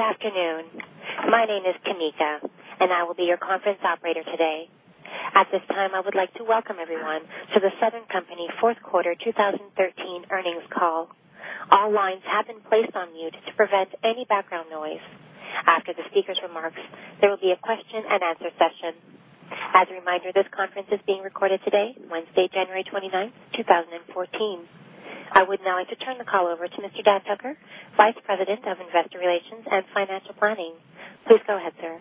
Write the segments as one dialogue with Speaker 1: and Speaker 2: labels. Speaker 1: Good afternoon. My name is Kamika, and I will be your conference operator today. At this time, I would like to welcome everyone to The Southern Company fourth quarter 2013 earnings call. All lines have been placed on mute to prevent any background noise. After the speaker's remarks, there will be a question-and-answer session. As a reminder, this conference is being recorded today, Wednesday, January 29, 2014. I would now like to turn the call over to Mr. Dan Tucker, Vice President of Investor Relations and Financial Planning. Please go ahead, sir.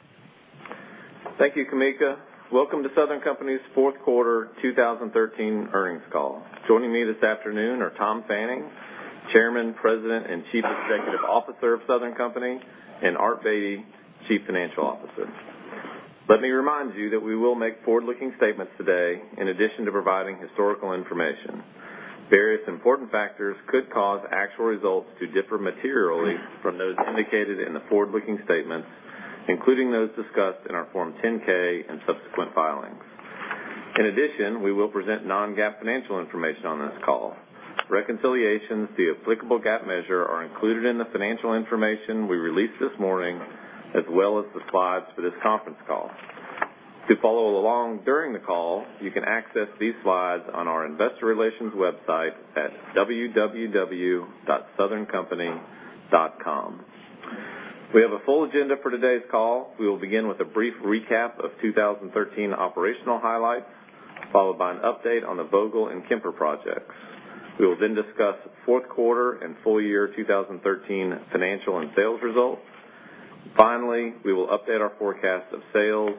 Speaker 2: Thank you, Kamika. Welcome to Southern Company's fourth quarter 2013 earnings call. Joining me this afternoon are Tom Fanning, Chairman, President, and Chief Executive Officer of Southern Company, and Art Beattie, Chief Financial Officer. Let me remind you that we will make forward-looking statements today in addition to providing historical information. Various important factors could cause actual results to differ materially from those indicated in the forward-looking statements, including those discussed in our Form 10-K and subsequent filings. In addition, we will present non-GAAP financial information on this call. Reconciliations to the applicable GAAP measure are included in the financial information we released this morning, as well as the slides for this conference call. To follow along during the call, you can access these slides on our investor relations website at www.southerncompany.com. We have a full agenda for today's call. We will begin with a brief recap of 2013 operational highlights, followed by an update on the Vogtle and Kemper projects. We will then discuss fourth quarter and full year 2013 financial and sales results. Finally, we will update our forecast of sales,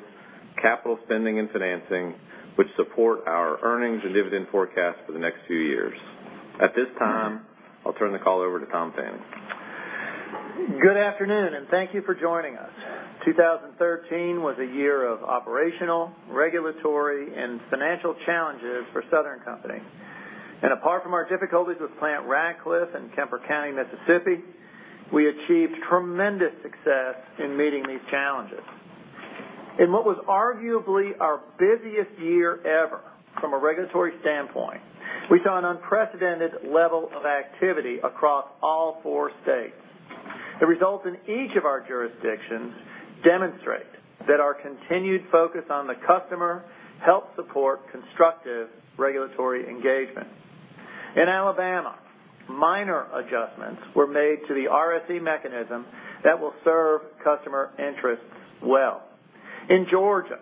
Speaker 2: capital spending and financing, which support our earnings and dividend forecast for the next few years. At this time, I'll turn the call over to Tom Fanning.
Speaker 3: Good afternoon, and thank you for joining us. 2013 was a year of operational, regulatory, and financial challenges for Southern Company. Apart from our difficulties with Plant Ratcliffe in Kemper County, Mississippi, we achieved tremendous success in meeting these challenges. In what was arguably our busiest year ever from a regulatory standpoint, we saw an unprecedented level of activity across all four states. The results in each of our jurisdictions demonstrate that our continued focus on the customer help support constructive regulatory engagement. In Alabama, minor adjustments were made to the RSE mechanism that will serve customer interests well. In Georgia,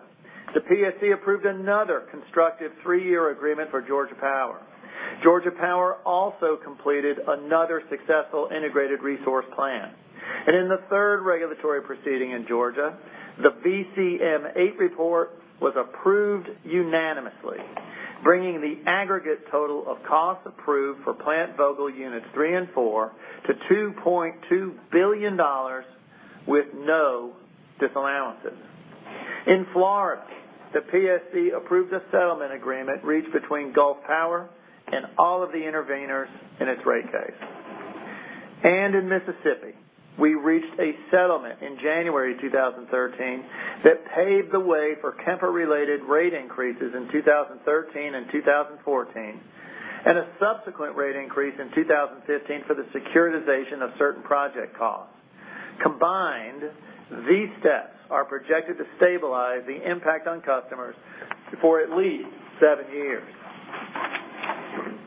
Speaker 3: the PSC approved another constructive three-year agreement for Georgia Power. Georgia Power also completed another successful integrated resource plan. In the third regulatory proceeding in Georgia, the VCM8 report was approved unanimously, bringing the aggregate total of cost approved for Plant Vogtle Units 3 and 4 to $2.2 billion with no disallowances. In Florida, the PSC approved a settlement agreement reached between Gulf Power and all of the interveners in its rate case. In Mississippi, we reached a settlement in January 2013 that paved the way for Kemper-related rate increases in 2013 and 2014, and a subsequent rate increase in 2015 for the securitization of certain project costs. Combined, these steps are projected to stabilize the impact on customers for at least seven years.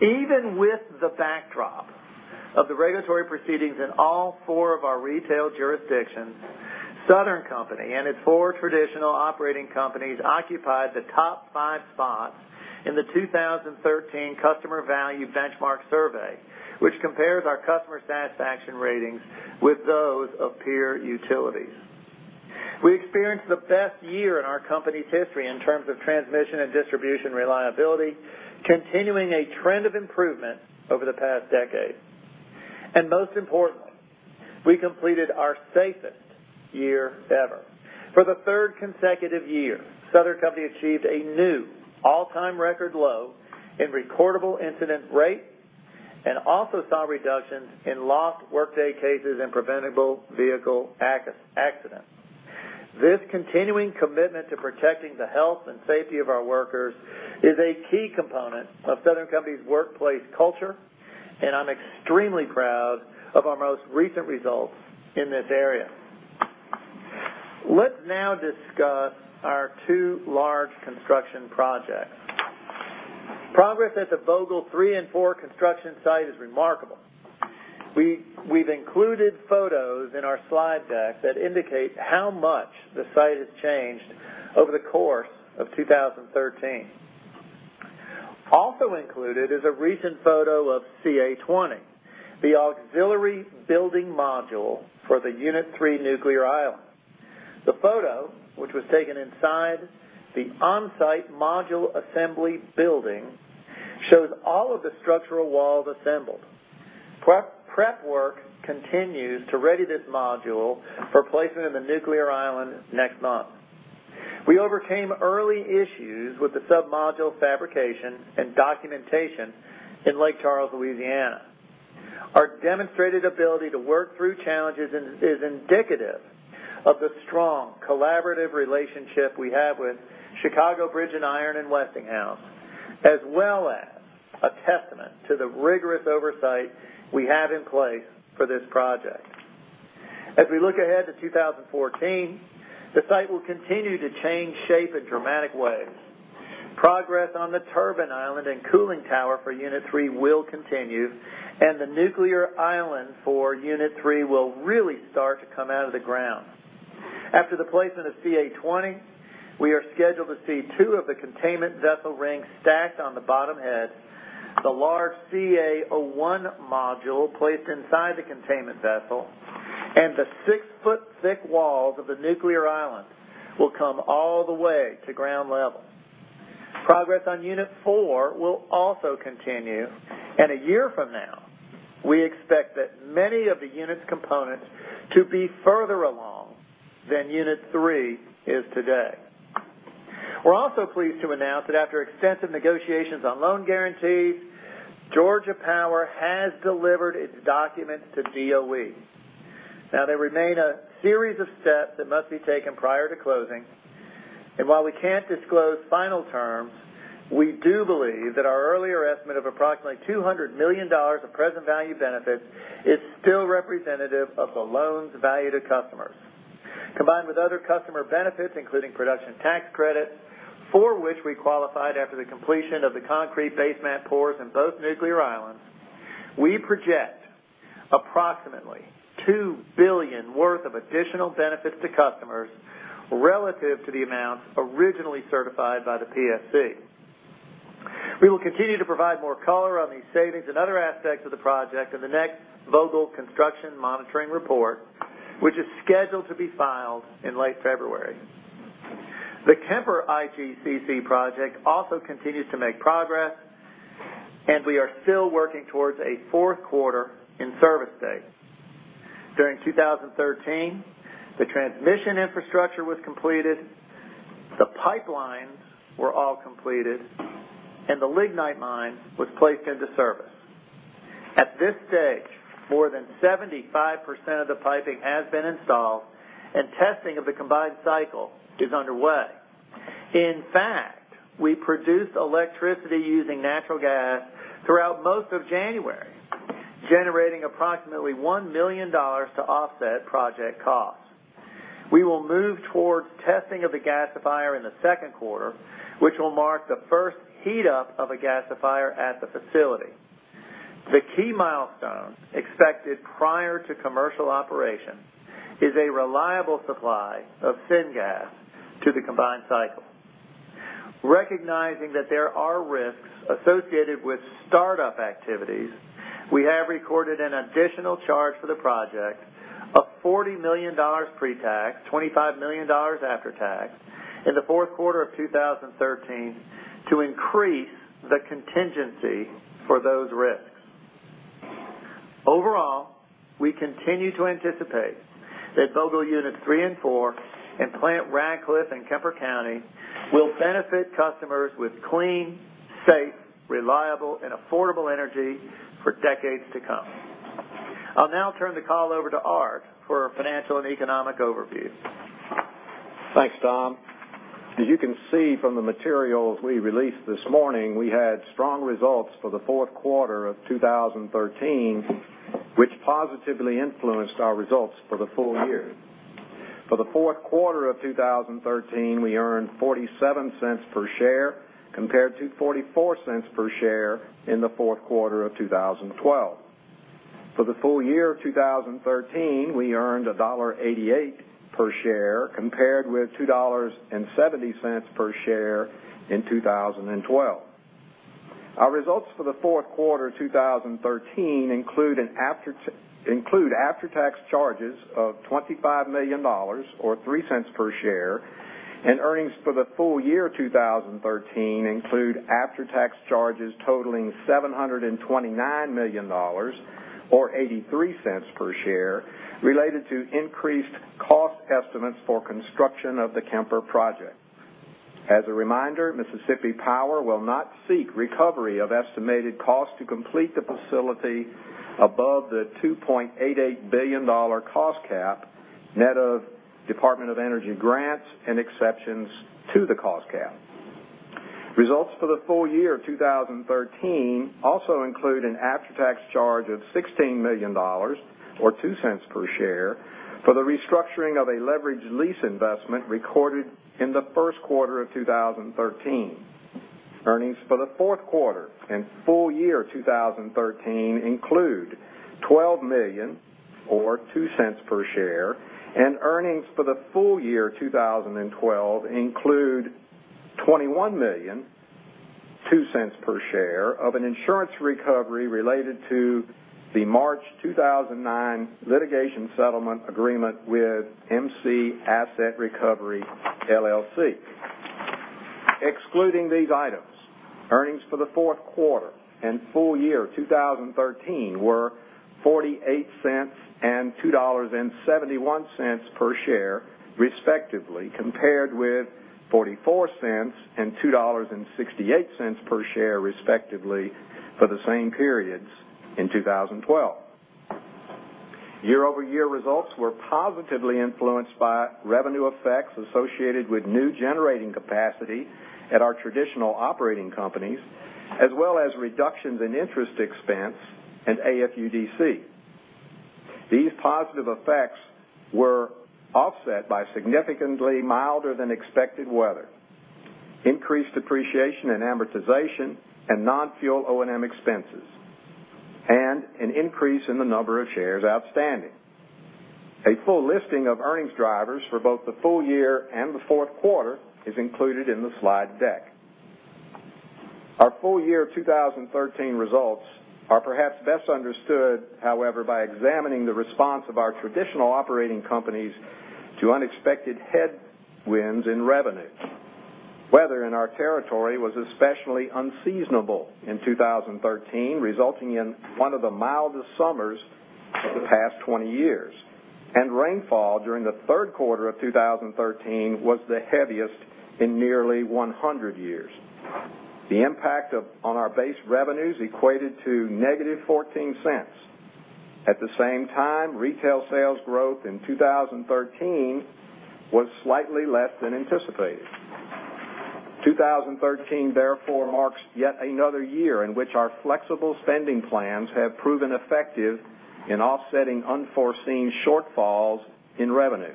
Speaker 3: Even with the backdrop of the regulatory proceedings in all four of our retail jurisdictions, Southern Company and its four traditional operating companies occupied the top five spots in the 2013 Customer Value Benchmark survey, which compares our customer satisfaction ratings with those of peer utilities. We experienced the best year in our company's history in terms of transmission and distribution reliability, continuing a trend of improvement over the past decade. Most importantly, we completed our safest year ever. For the third consecutive year, Southern Company achieved a new all-time record low in recordable incident rate and also saw reductions in lost workday cases and preventable vehicle accidents. This continuing commitment to protecting the health and safety of our workers is a key component of Southern Company's workplace culture, and I'm extremely proud of our most recent results in this area. Let's now discuss our two large construction projects. Progress at the Vogtle 3 and 4 construction site is remarkable. We've included photos in our slide deck that indicate how much the site has changed over the course of 2013. Also included is a recent photo of CA20, the auxiliary building module for the Unit 3 nuclear island. The photo, which was taken inside the on-site module assembly building, shows all of the structural walls assembled. Prep work continues to ready this module for placement in the nuclear island next month. We overcame early issues with the sub-module fabrication and documentation in Lake Charles, Louisiana. Our demonstrated ability to work through challenges is indicative of the strong collaborative relationship we have with Chicago Bridge & Iron and Westinghouse, as well as a testament to the rigorous oversight we have in place for this project. As we look ahead to 2014, the site will continue to change shape in dramatic ways. Progress on the turbine island and cooling tower for unit three will continue, and the nuclear island for unit three will really start to come out of the ground. After the placement of CA20, we are scheduled to see two of the containment vessel rings stacked on the bottom head, the large CA01 module placed inside the containment vessel, and the six-foot thick walls of the nuclear island will come all the way to ground level. Progress on unit four will also continue, and a year from now, we expect that many of the unit's components to be further along than unit three is today. We're also pleased to announce that after extensive negotiations on loan guarantees, Georgia Power has delivered its documents to DOE. Now, there remain a series of steps that must be taken prior to closing, and while we can't disclose final terms, we do believe that our earlier estimate of approximately $200 million of present value benefits is still representative of the loan's value to customers. Combined with other customer benefits, including production tax credits, for which we qualified after the completion of the concrete base mat pours in both nuclear islands, we project approximately $2 billion worth of additional benefits to customers relative to the amounts originally certified by the PSC. We will continue to provide more color on these savings and other aspects of the project in the next Vogtle construction monitoring report, which is scheduled to be filed in late February. The Kemper IGCC project also continues to make progress, and we are still working towards a fourth quarter in-service date. During 2013, the transmission infrastructure was completed, the pipelines were all completed, and the lignite mine was placed into service. At this stage, more than 75% of the piping has been installed, and testing of the combined cycle is underway. In fact, we produced electricity using natural gas throughout most of January, generating approximately $1 million to offset project costs. We will move towards testing of the gasifier in the second quarter, which will mark the first heat-up of a gasifier at the facility. The key milestone expected prior to commercial operation is a reliable supply of syngas to the combined cycle. Recognizing that there are risks associated with startup activities, we have recorded an additional charge for the project of $40 million pre-tax, $25 million after tax, in the fourth quarter of 2013 to increase the contingency for those risks. Overall, we continue to anticipate that Vogtle units 3 and 4 and Plant Ratcliffe in Kemper County will benefit customers with clean, safe, reliable, and affordable energy for decades to come. I'll now turn the call over to Art for a financial and economic overview.
Speaker 4: Thanks, Tom. As you can see from the materials we released this morning, we had strong results for the fourth quarter of 2013, which positively influenced our results for the full year. For the fourth quarter of 2013, we earned $0.47 per share compared to $0.44 per share in the fourth quarter of 2012. For the full year of 2013, we earned $1.88 per share compared with $2.70 per share in 2012. Our results for the fourth quarter 2013 include after-tax charges of $25 million, or $0.03 per share, and earnings for the full year 2013 include after-tax charges totaling $729 million, or $0.83 per share, related to increased cost estimates for construction of the Kemper project. As a reminder, Mississippi Power will not seek recovery of estimated costs to complete the facility above the $2.88 billion cost cap, net of Department of Energy grants and exceptions to the cost cap. Results for the full year 2013 also include an after-tax charge of $16 million, or $0.02 per share, for the restructuring of a leveraged lease investment recorded in the first quarter of 2013. Earnings for the fourth quarter and full year 2013 include $12 million, or $0.02 per share, and earnings for the full year 2012 include $21 million, $0.02 per share, of an insurance recovery related to the March 2009 litigation settlement agreement with MC Asset Recovery LLC. Excluding these items, earnings for the fourth quarter and full year 2013 were $0.48 and $2.71 per share respectively, compared with $0.44 and $2.68 per share respectively for the same periods in 2012. Year-over-year results were positively influenced by revenue effects associated with new generating capacity at our traditional operating companies, as well as reductions in interest expense and AFUDC. These positive effects were offset by significantly milder than expected weather, increased depreciation and amortization and non-fuel O&M expenses, and an increase in the number of shares outstanding. A full listing of earnings drivers for both the full year and the fourth quarter is included in the slide deck. Our full year 2013 results are perhaps best understood, however, by examining the response of our traditional operating companies to unexpected headwinds in revenue. Weather in our territory was especially unseasonable in 2013, resulting in one of the mildest summers of the past 20 years, and rainfall during the third quarter of 2013 was the heaviest in nearly 100 years. The impact on our base revenues equated to negative $0.14. At the same time, retail sales growth in 2013 was slightly less than anticipated. 2013 therefore marks yet another year in which our flexible spending plans have proven effective in offsetting unforeseen shortfalls in revenue.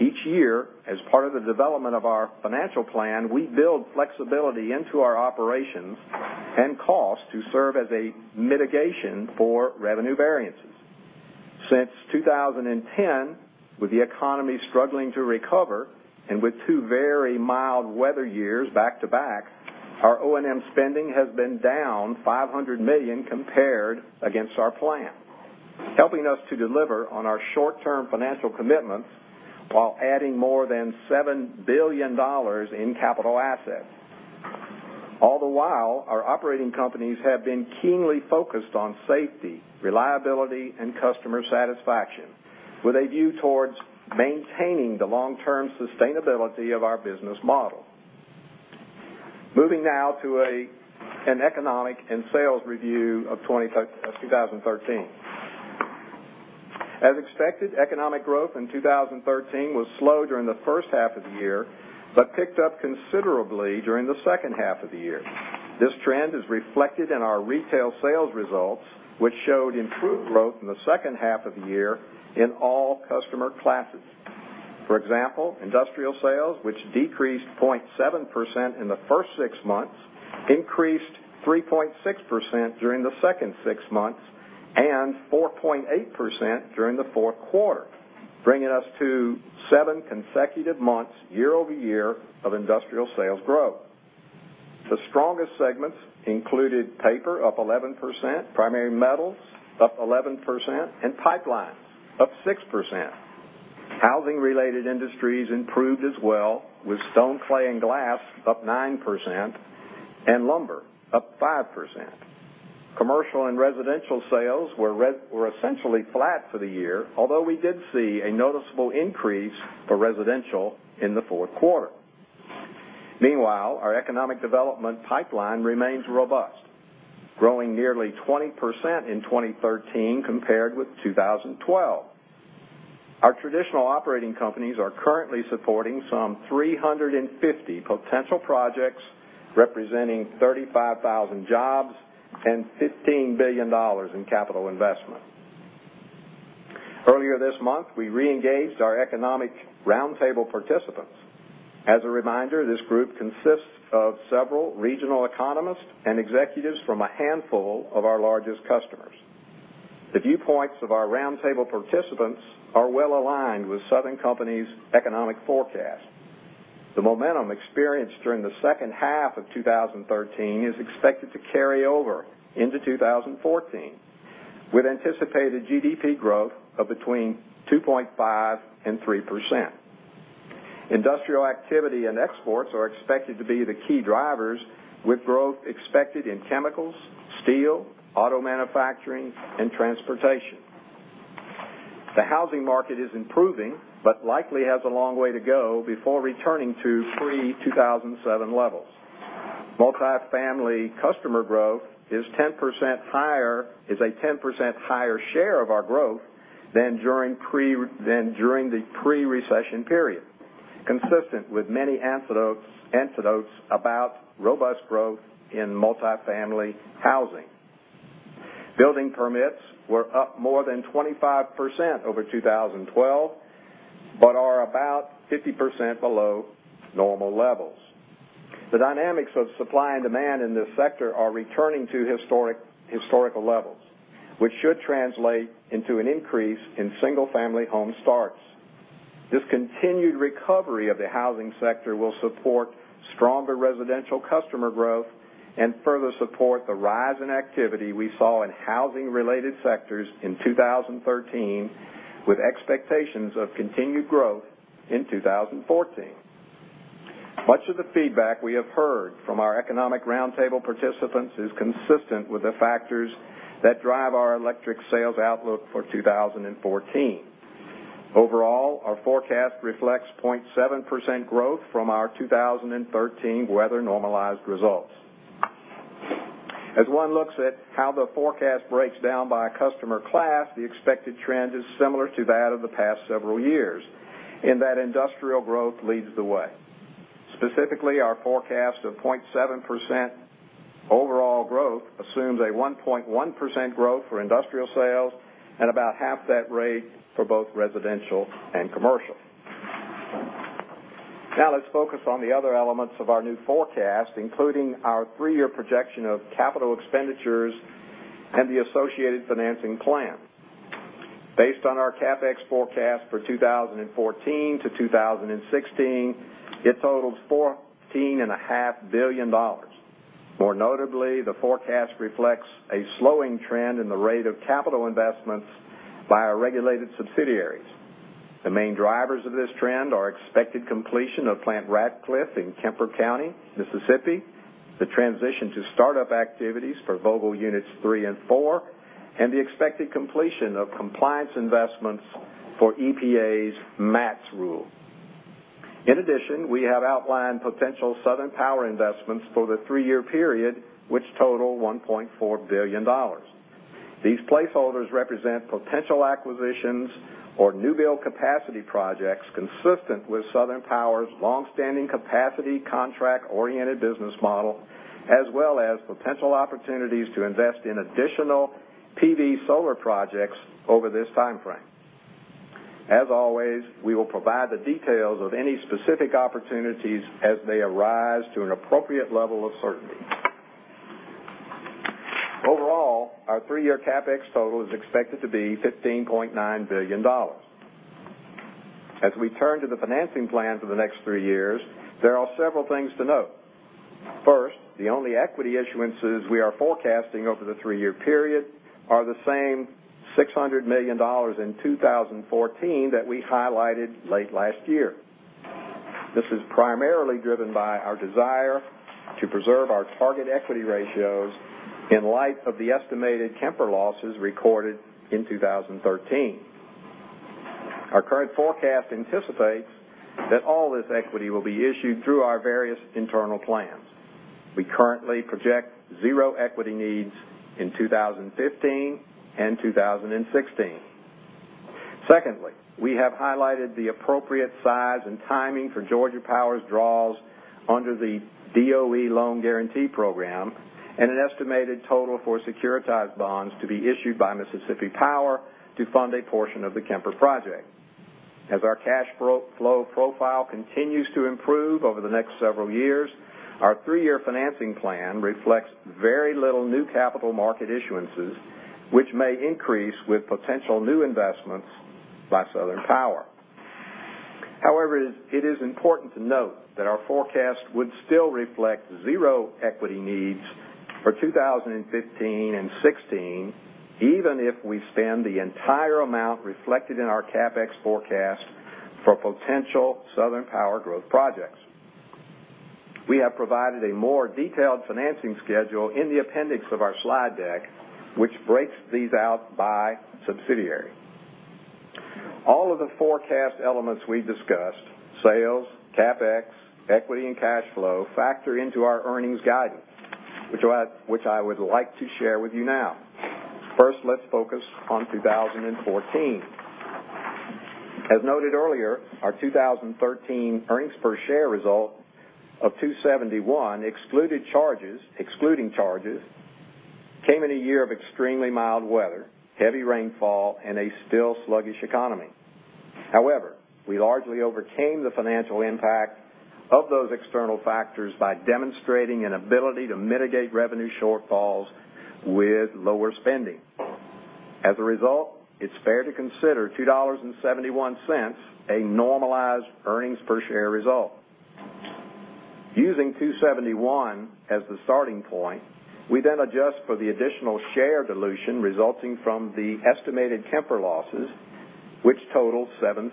Speaker 4: Each year, as part of the development of our financial plan, we build flexibility into our operations and costs to serve as a mitigation for revenue variances. Since 2010, with the economy struggling to recover and with two very mild weather years back-to-back, our O&M spending has been down $500 million compared against our plan, helping us to deliver on our short-term financial commitments while adding more than $7 billion in capital assets. All the while, our operating companies have been keenly focused on safety, reliability, and customer satisfaction with a view towards maintaining the long-term sustainability of our business model. Moving now to an economic and sales review of 2013. As expected, economic growth in 2013 was slow during the first half of the year, but picked up considerably during the second half of the year. This trend is reflected in our retail sales results, which showed improved growth in the second half of the year in all customer classes. For example, industrial sales, which decreased 0.7% in the first six months, increased 3.6% during the second six months, and 4.8% during the fourth quarter, bringing us to seven consecutive months year-over-year of industrial sales growth. The strongest segments included paper, up 11%, primary metals, up 11%, and pipelines, up 6%. Housing-related industries improved as well with stone, clay, and glass up 9%, and lumber up 5%. Commercial and residential sales were essentially flat for the year, although we did see a noticeable increase for residential in the fourth quarter. Meanwhile, our economic development pipeline remains robust, growing nearly 20% in 2013 compared with 2012. Our traditional operating companies are currently supporting some 350 potential projects, representing 35,000 jobs and $15 billion in capital investment. Earlier this month, we reengaged our economic roundtable participants. As a reminder, this group consists of several regional economists and executives from a handful of our largest customers. The viewpoints of our roundtable participants are well-aligned with Southern Company's economic forecast. The momentum experienced during the second half of 2013 is expected to carry over into 2014 with anticipated GDP growth of between 2.5% and 3%. Industrial activity and exports are expected to be the key drivers with growth expected in chemicals, steel, auto manufacturing, and transportation. The housing market is improving, but likely has a long way to go before returning to pre-2007 levels. Multifamily customer growth is a 10% higher share of our growth than during the pre-recession period, consistent with many anecdotes about robust growth in multifamily housing. Building permits were up more than 25% over 2012, but are about 50% below normal levels. The dynamics of supply and demand in this sector are returning to historical levels, which should translate into an increase in single-family home starts. This continued recovery of the housing sector will support stronger residential customer growth and further support the rise in activity we saw in housing-related sectors in 2013, with expectations of continued growth in 2014. Much of the feedback we have heard from our economic roundtable participants is consistent with the factors that drive our electric sales outlook for 2014. Overall, our forecast reflects 0.7% growth from our 2013 weather-normalized results. As one looks at how the forecast breaks down by customer class, the expected trend is similar to that of the past several years in that industrial growth leads the way. Specifically, our forecast of 0.7% overall growth assumes a 1.1% growth for industrial sales and about half that rate for both residential and commercial. Let's focus on the other elements of our new forecast, including our three-year projection of capital expenditures and the associated financing plan. Based on our CapEx forecast for 2014 to 2016, it totals $14.5 billion. More notably, the forecast reflects a slowing trend in the rate of capital investments by our regulated subsidiaries. The main drivers of this trend are expected completion of Plant Ratcliffe in Kemper County, Mississippi, the transition to startup activities for Vogtle Units 3 and 4, and the expected completion of compliance investments for EPA's MATS rule. In addition, we have outlined potential Southern Power investments for the three-year period, which total $1.4 billion. These placeholders represent potential acquisitions or new build capacity projects consistent with Southern Power's long-standing capacity contract-oriented business model as well as potential opportunities to invest in additional PV solar projects over this timeframe. As always, we will provide the details of any specific opportunities as they arise to an appropriate level of certainty. Overall, our three-year CapEx total is expected to be $15.9 billion. We turn to the financing plan for the next three years, there are several things to note. First, the only equity issuances we are forecasting over the three-year period are the same $600 million in 2014 that we highlighted late last year. This is primarily driven by our desire to preserve our target equity ratios in light of the estimated Kemper losses recorded in 2013. Our current forecast anticipates that all this equity will be issued through our various internal plans. We currently project zero equity needs in 2015 and 2016. Secondly, we have highlighted the appropriate size and timing for Georgia Power's draws under the DOE loan guarantee program and an estimated total for securitized bonds to be issued by Mississippi Power to fund a portion of the Kemper project. Our cash flow profile continues to improve over the next several years, our three-year financing plan reflects very little new capital market issuances, which may increase with potential new investments by Southern Power. However, it is important to note that our forecast would still reflect zero equity needs for 2015 and 2016 even if we spend the entire amount reflected in our CapEx forecast for potential Southern Power growth projects. We have provided a more detailed financing schedule in the appendix of our slide deck, which breaks these out by subsidiary. All of the forecast elements we discussed, sales, CapEx, equity, and cash flow, factor into our earnings guidance, which I would like to share with you now. First, let's focus on 2014. Noted earlier, our 2013 earnings per share result of $2.71 excluding charges came in a year of extremely mild weather, heavy rainfall, and a still sluggish economy. However, we largely overcame the financial impact of those external factors by demonstrating an ability to mitigate revenue shortfalls with lower spending. A result, it's fair to consider $2.71 a normalized earnings per share result. Using $2.71 as the starting point, we then adjust for the additional share dilution resulting from the estimated Kemper losses, which total $0.07.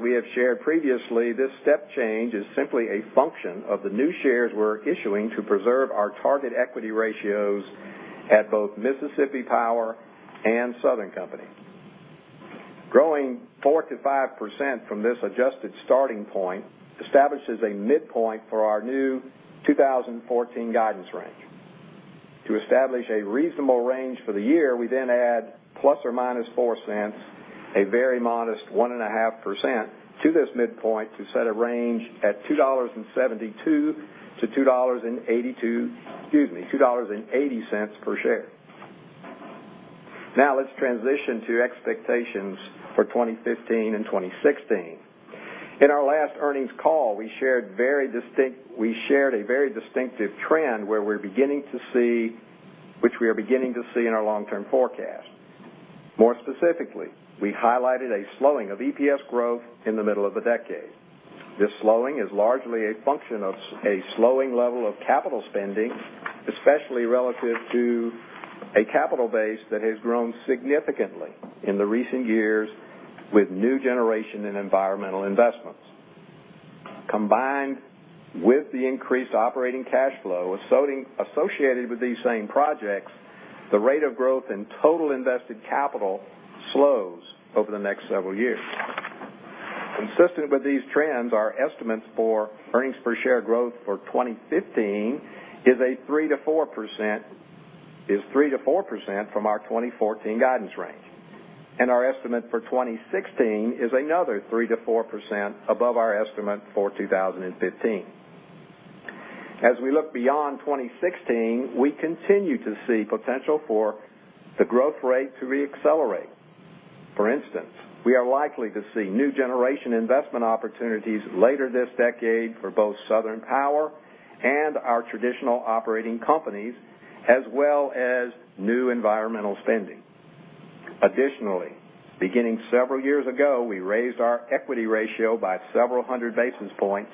Speaker 4: We have shared previously, this step change is simply a function of the new shares we're issuing to preserve our target equity ratios at both Mississippi Power and Southern Company. Growing 4%-5% from this adjusted starting point establishes a midpoint for our new 2014 guidance range. To establish a reasonable range for the year, we then add ±$0.04, a very modest 1.5%, to this midpoint to set a range at $2.72-$2.80 per share. Now let's transition to expectations for 2015 and 2016. In our last earnings call, we shared a very distinctive trend which we are beginning to see in our long-term forecast. More specifically, we highlighted a slowing of EPS growth in the middle of the decade. This slowing is largely a function of a slowing level of capital spending, especially relative to a capital base that has grown significantly in the recent years with new generation and environmental investments. Combined with the increased operating cash flow associated with these same projects, the rate of growth in total invested capital slows over the next several years. Consistent with these trends, our estimates for earnings per share growth for 2015 is 3%-4% from our 2014 guidance range. Our estimate for 2016 is another 3%-4% above our estimate for 2015. As we look beyond 2016, we continue to see potential for the growth rate to re-accelerate. For instance, we are likely to see new generation investment opportunities later this decade for both Southern Power and our traditional operating companies, as well as new environmental spending. Beginning several years ago, we raised our equity ratio by several hundred basis points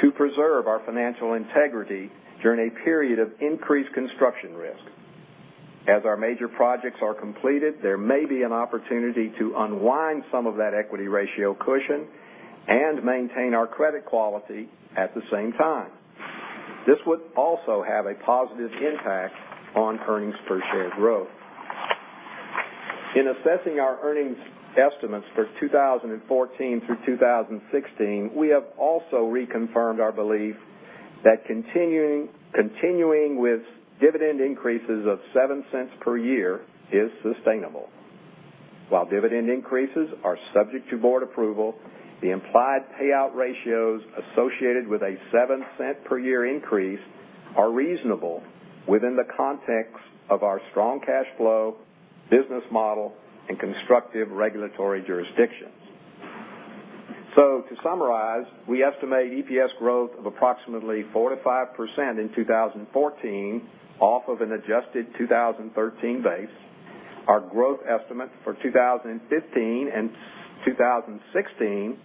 Speaker 4: to preserve our financial integrity during a period of increased construction risk. As our major projects are completed, there may be an opportunity to unwind some of that equity ratio cushion and maintain our credit quality at the same time. This would also have a positive impact on earnings per share growth. In assessing our earnings estimates for 2014 through 2016, we have also reconfirmed our belief that continuing with dividend increases of $0.07 per year is sustainable. While dividend increases are subject to board approval, the implied payout ratios associated with a $0.07 per year increase are reasonable within the context of our strong cash flow, business model, and constructive regulatory jurisdictions. To summarize, we estimate EPS growth of approximately 4%-5% in 2014 off of an adjusted 2013 base. Our growth estimate for 2015 and 2016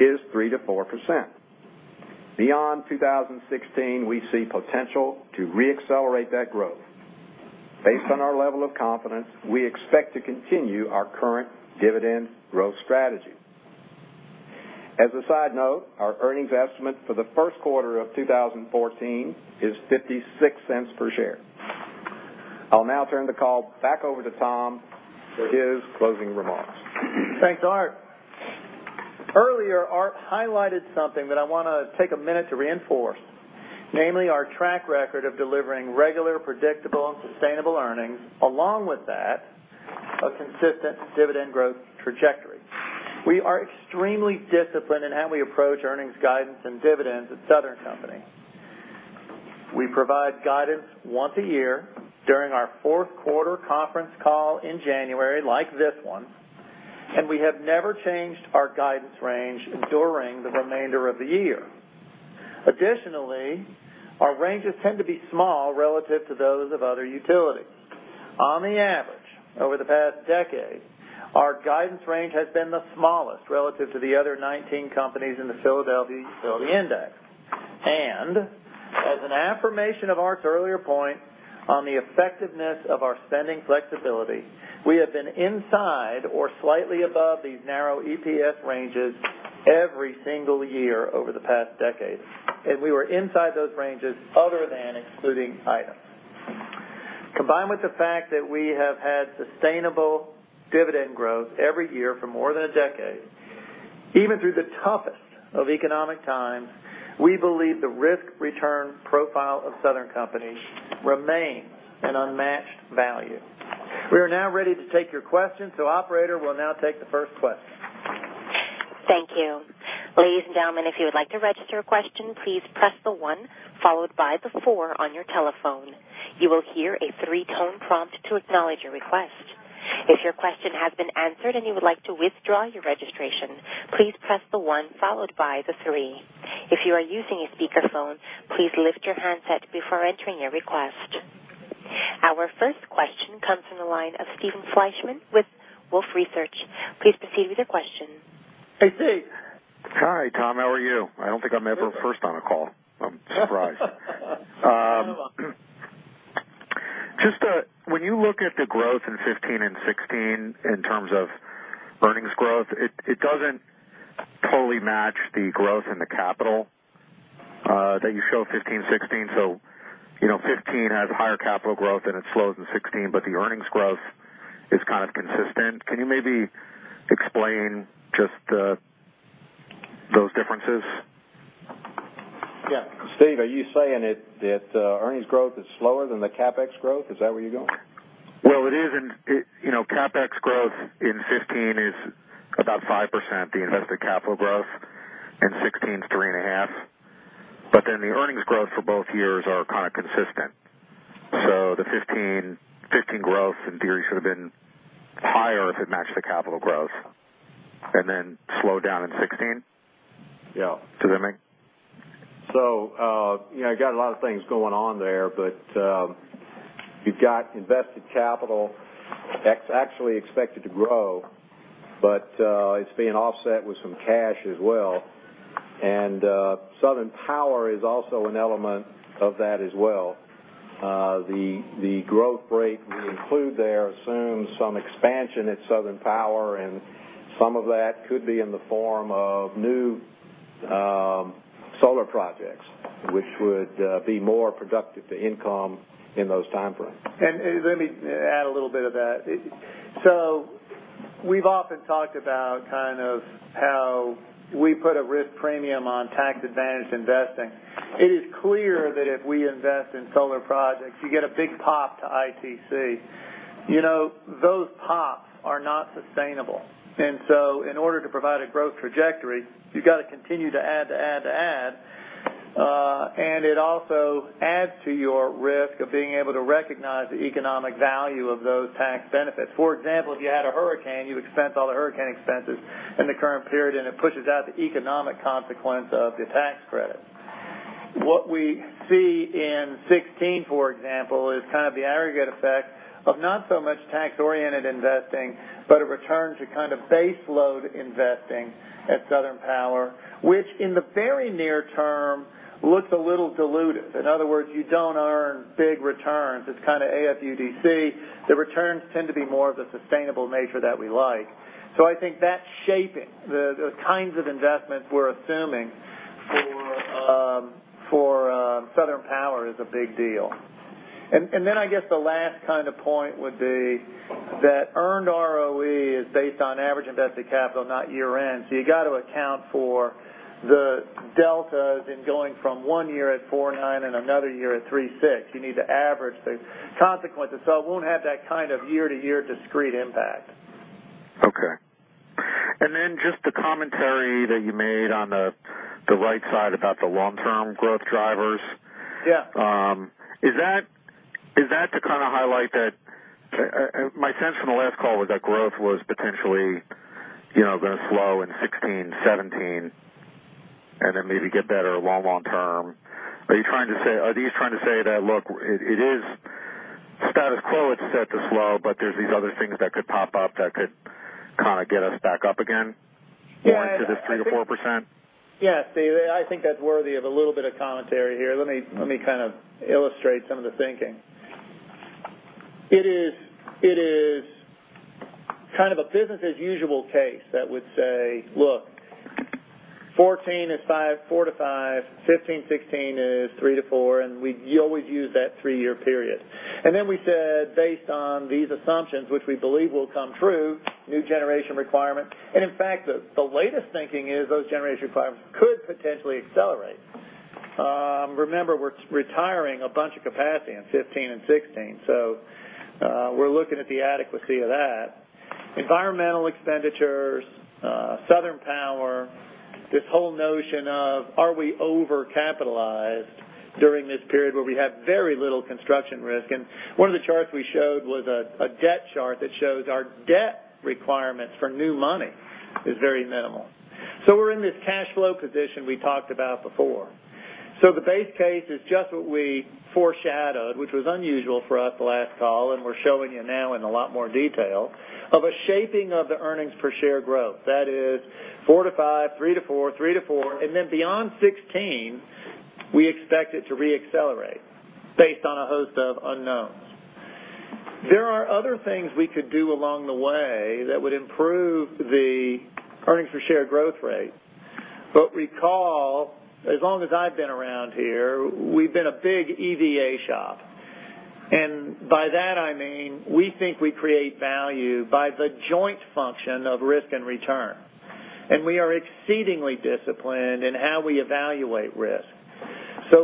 Speaker 4: is 3%-4%. Beyond 2016, we see potential to re-accelerate that growth. Based on our level of confidence, we expect to continue our current dividend growth strategy. As a side note, our earnings estimate for the first quarter of 2014 is $0.56 per share. I'll now turn the call back over to Tom for his closing remarks.
Speaker 3: Thanks, Art. Earlier, Art highlighted something that I want to take a minute to reinforce. Namely our track record of delivering regular, predictable, and sustainable earnings. Along with that, a consistent dividend growth trajectory. We are extremely disciplined in how we approach earnings guidance and dividends at Southern Company. We provide guidance once a year during our fourth-quarter conference call in January like this one, we have never changed our guidance range during the remainder of the year. Our ranges tend to be small relative to those of other utilities. On the average, over the past decade, our guidance range has been the smallest relative to the other 19 companies in the PHLX Utility Sector Index. As an affirmation of Art's earlier point on the effectiveness of our spending flexibility, we have been inside or slightly above these narrow EPS ranges every single year over the past decade. We were inside those ranges other than excluding items. Combined with the fact that we have had sustainable dividend growth every year for more than a decade, even through the toughest of economic times, we believe the risk-return profile of Southern Company remains an unmatched value. We are now ready to take your questions, operator will now take the first question.
Speaker 1: Thank you. Ladies and gentlemen, if you would like to register a question, please press the one followed by the four on your telephone. You will hear a three-tone prompt to acknowledge your request. If your question has been answered and you would like to withdraw your registration, please press the one followed by the three. If you are using a speakerphone, please lift your handset before entering your request. Our first question comes from the line of Steven Fleishman with Wolfe Research. Please proceed with your question.
Speaker 3: Hey, Steve.
Speaker 5: Hi, Tom. How are you? I don't think I'm ever first on a call. I'm surprised.
Speaker 3: You're welcome.
Speaker 5: Just when you look at the growth in 2015 and 2016 in terms of earnings growth, it doesn't totally match the growth in the capital that you show 2015, 2016. 2015 has higher capital growth, then it slows in 2016, but the earnings growth is kind of consistent. Can you maybe explain just those differences?
Speaker 3: Yeah. Steven, are you saying that earnings growth is slower than the CapEx growth? Is that where you're going?
Speaker 5: It is in, CapEx growth in 2015 is about 5%, the invested capital growth, and 2016's 3.5%. The earnings growth for both years are kind of consistent. The 2015 growth in theory should've been higher if it matched the capital growth. Slowed down in 2016?
Speaker 3: Yeah.
Speaker 5: Does that make
Speaker 3: You got a lot of things going on there, but you've got invested capital that's actually expected to grow, but it's being offset with some cash as well. Southern Power is also an element of that as well.
Speaker 4: The growth rate we include there assumes some expansion at Southern Power, and some of that could be in the form of new solar projects, which would be more productive to income in those time frames.
Speaker 3: Let me add a little bit of that. We've often talked about how we put a risk premium on tax advantage investing. It is clear that if we invest in solar projects, you get a big pop to ITC. Those pops are not sustainable. In order to provide a growth trajectory, you've got to continue to add to add to add. It also adds to your risk of being able to recognize the economic value of those tax benefits. For example, if you had a hurricane, you expense all the hurricane expenses in the current period, and it pushes out the economic consequence of your tax credit. What we see in 2016, for example, is the aggregate effect of not so much tax-oriented investing, but a return to base load investing at Southern Power, which in the very near term looks a little dilutive. In other words, you don't earn big returns. It's kind of AFUDC. The returns tend to be more of the sustainable nature that we like. I think that's shaping the kinds of investments we're assuming for Southern Power is a big deal. I guess the last point would be that earned ROE is based on average invested capital, not year-end. You got to account for the delta in going from one year at 4.9 and another year at 3.6. You need to average the consequences. It won't have that kind of year-to-year discrete impact.
Speaker 5: Okay. Just the commentary that you made on the right side about the long-term growth drivers.
Speaker 3: Yeah.
Speaker 5: Is that to highlight that, my sense from the last call was that growth was potentially going to slow in 2016, 2017, and then maybe get better long, long term? Are you trying to say that, look, it is status quo, it's set to slow, but there's these other things that could pop up that could get us back up again more into this 3%-4%?
Speaker 3: Yes, Steve, I think that's worthy of a little bit of commentary here. Let me illustrate some of the thinking. It is a business as usual case that would say, look, 2014 is 5%, 4%-5%, 2015, 2016 is 3%-4%, and you always use that three-year period. We said, based on these assumptions, which we believe will come true, new generation requirement. In fact, the latest thinking is those generation requirements could potentially accelerate. Remember, we're retiring a bunch of capacity in 2015 and 2016, so we're looking at the adequacy of that. Environmental expenditures, Southern Power, this whole notion of are we over-capitalized during this period where we have very little construction risk? One of the charts we showed was a debt chart that shows our debt requirements for new money is very minimal. We're in this cash flow position we talked about before. The base case is just what we foreshadowed, which was unusual for us the last call, and we're showing you now in a lot more detail of a shaping of the earnings per share growth. That is 4%-5%, 3%-4%, 3%-4%, and then beyond 2016, we expect it to re-accelerate based on a host of unknowns. There are other things we could do along the way that would improve the earnings per share growth rate. Recall, as long as I've been around here, we've been a big EVA shop. By that I mean, we think we create value by the joint function of risk and return. We are exceedingly disciplined in how we evaluate risk.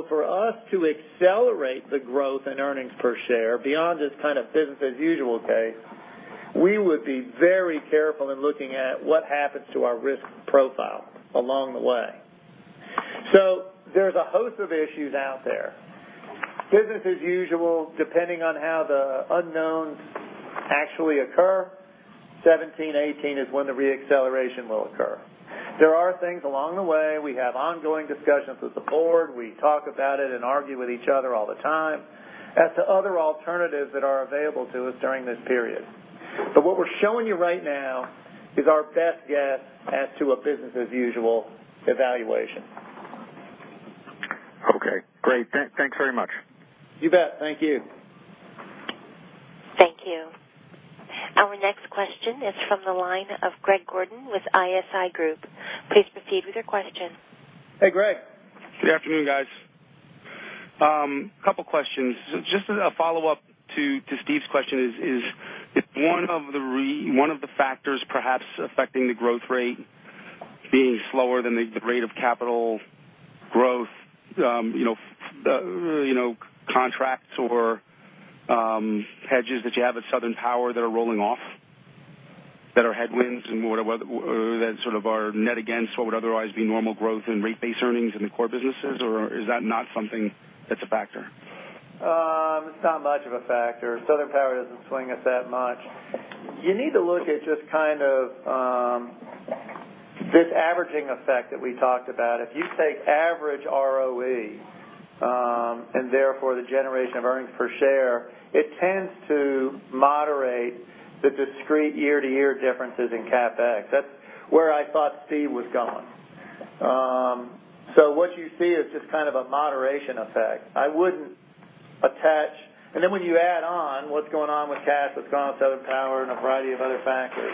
Speaker 3: For us to accelerate the growth in earnings per share beyond this business as usual case, we would be very careful in looking at what happens to our risk profile along the way. There's a host of issues out there. Business as usual, depending on how the unknowns actually occur, 2017, 2018 is when the re-acceleration will occur. There are things along the way. We have ongoing discussions with the board. We talk about it and argue with each other all the time as to other alternatives that are available to us during this period. What we're showing you right now is our best guess as to a business as usual evaluation.
Speaker 5: Okay, great. Thanks very much.
Speaker 3: You bet. Thank you.
Speaker 1: Thank you. Our next question is from the line of Greg Gordon with ISI Group. Please proceed with your question.
Speaker 3: Hey, Greg.
Speaker 6: Good afternoon, guys. Couple questions. Just as a follow-up to Steve's question is one of the factors perhaps affecting the growth rate being slower than the rate of capital growth contracts or hedges that you have at Southern Power that are rolling off, that are headwinds and that sort of are net against what would otherwise be normal growth in rate base earnings in the core businesses? Or is that not something that's a factor?
Speaker 3: It's not much of a factor. Southern Power doesn't swing us that much. You need to look at just this averaging effect that we talked about. If you take average ROE, and therefore the generation of earnings per share, it tends to moderate the discrete year-to-year differences in CapEx. That's where I thought Steve was going. What you see is just a moderation effect. When you add on what's going on with cash, what's going on with Southern Power and a variety of other factors,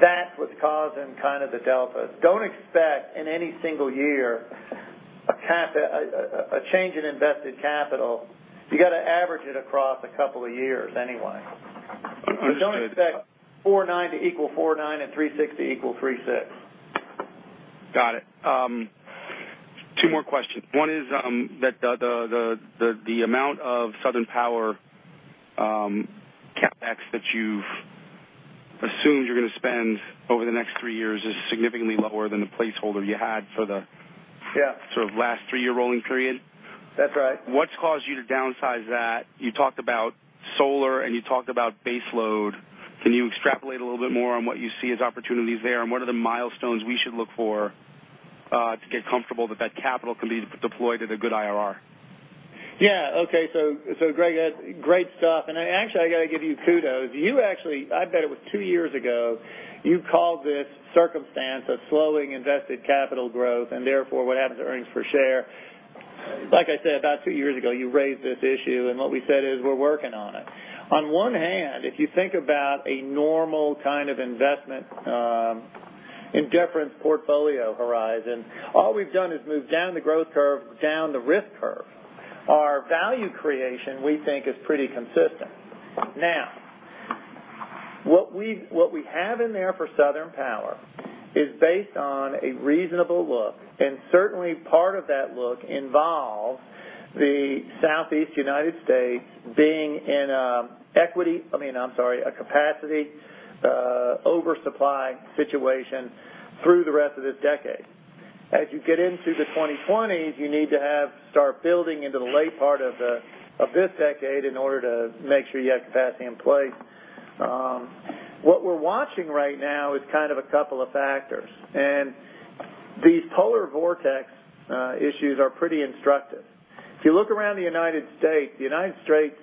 Speaker 3: that's what's causing the delta. Don't expect in any single year a change in invested capital. You got to average it across a couple of years anyway.
Speaker 6: Understood.
Speaker 3: Don't expect 4.9 to equal 4.9 and 3.6 to equal 3.6.
Speaker 6: Got it. Two more questions. One is that the amount of Southern Power CapEx that you've assumed you're going to spend over the next three years is significantly lower than the placeholder you had. Yeah Sort of last three-year rolling period.
Speaker 3: That's right.
Speaker 6: What's caused you to downsize that? You talked about solar and you talked about base load. Can you extrapolate a little bit more on what you see as opportunities there, and what are the milestones we should look for to get comfortable that capital can be deployed at a good IRR?
Speaker 3: Greg, great stuff. Actually, I got to give you kudos. I bet it was two years ago, you called this circumstance a slowing invested capital growth and therefore what happens to earnings per share. Like I said, about two years ago, you raised this issue and what we said is we're working on it. On one hand, if you think about a normal kind of investment indifference portfolio horizon, all we've done is moved down the growth curve, down the risk curve. Our value creation, we think, is pretty consistent. Now, what we have in there for Southern Power is based on a reasonable look, and certainly part of that look involves the Southeast United States being in a capacity oversupply situation through the rest of this decade. As you get into the 2020s, you need to start building into the late part of this decade in order to make sure you have capacity in place. What we're watching right now is kind of a couple of factors, these polar vortex issues are pretty instructive. If you look around the United States, the United States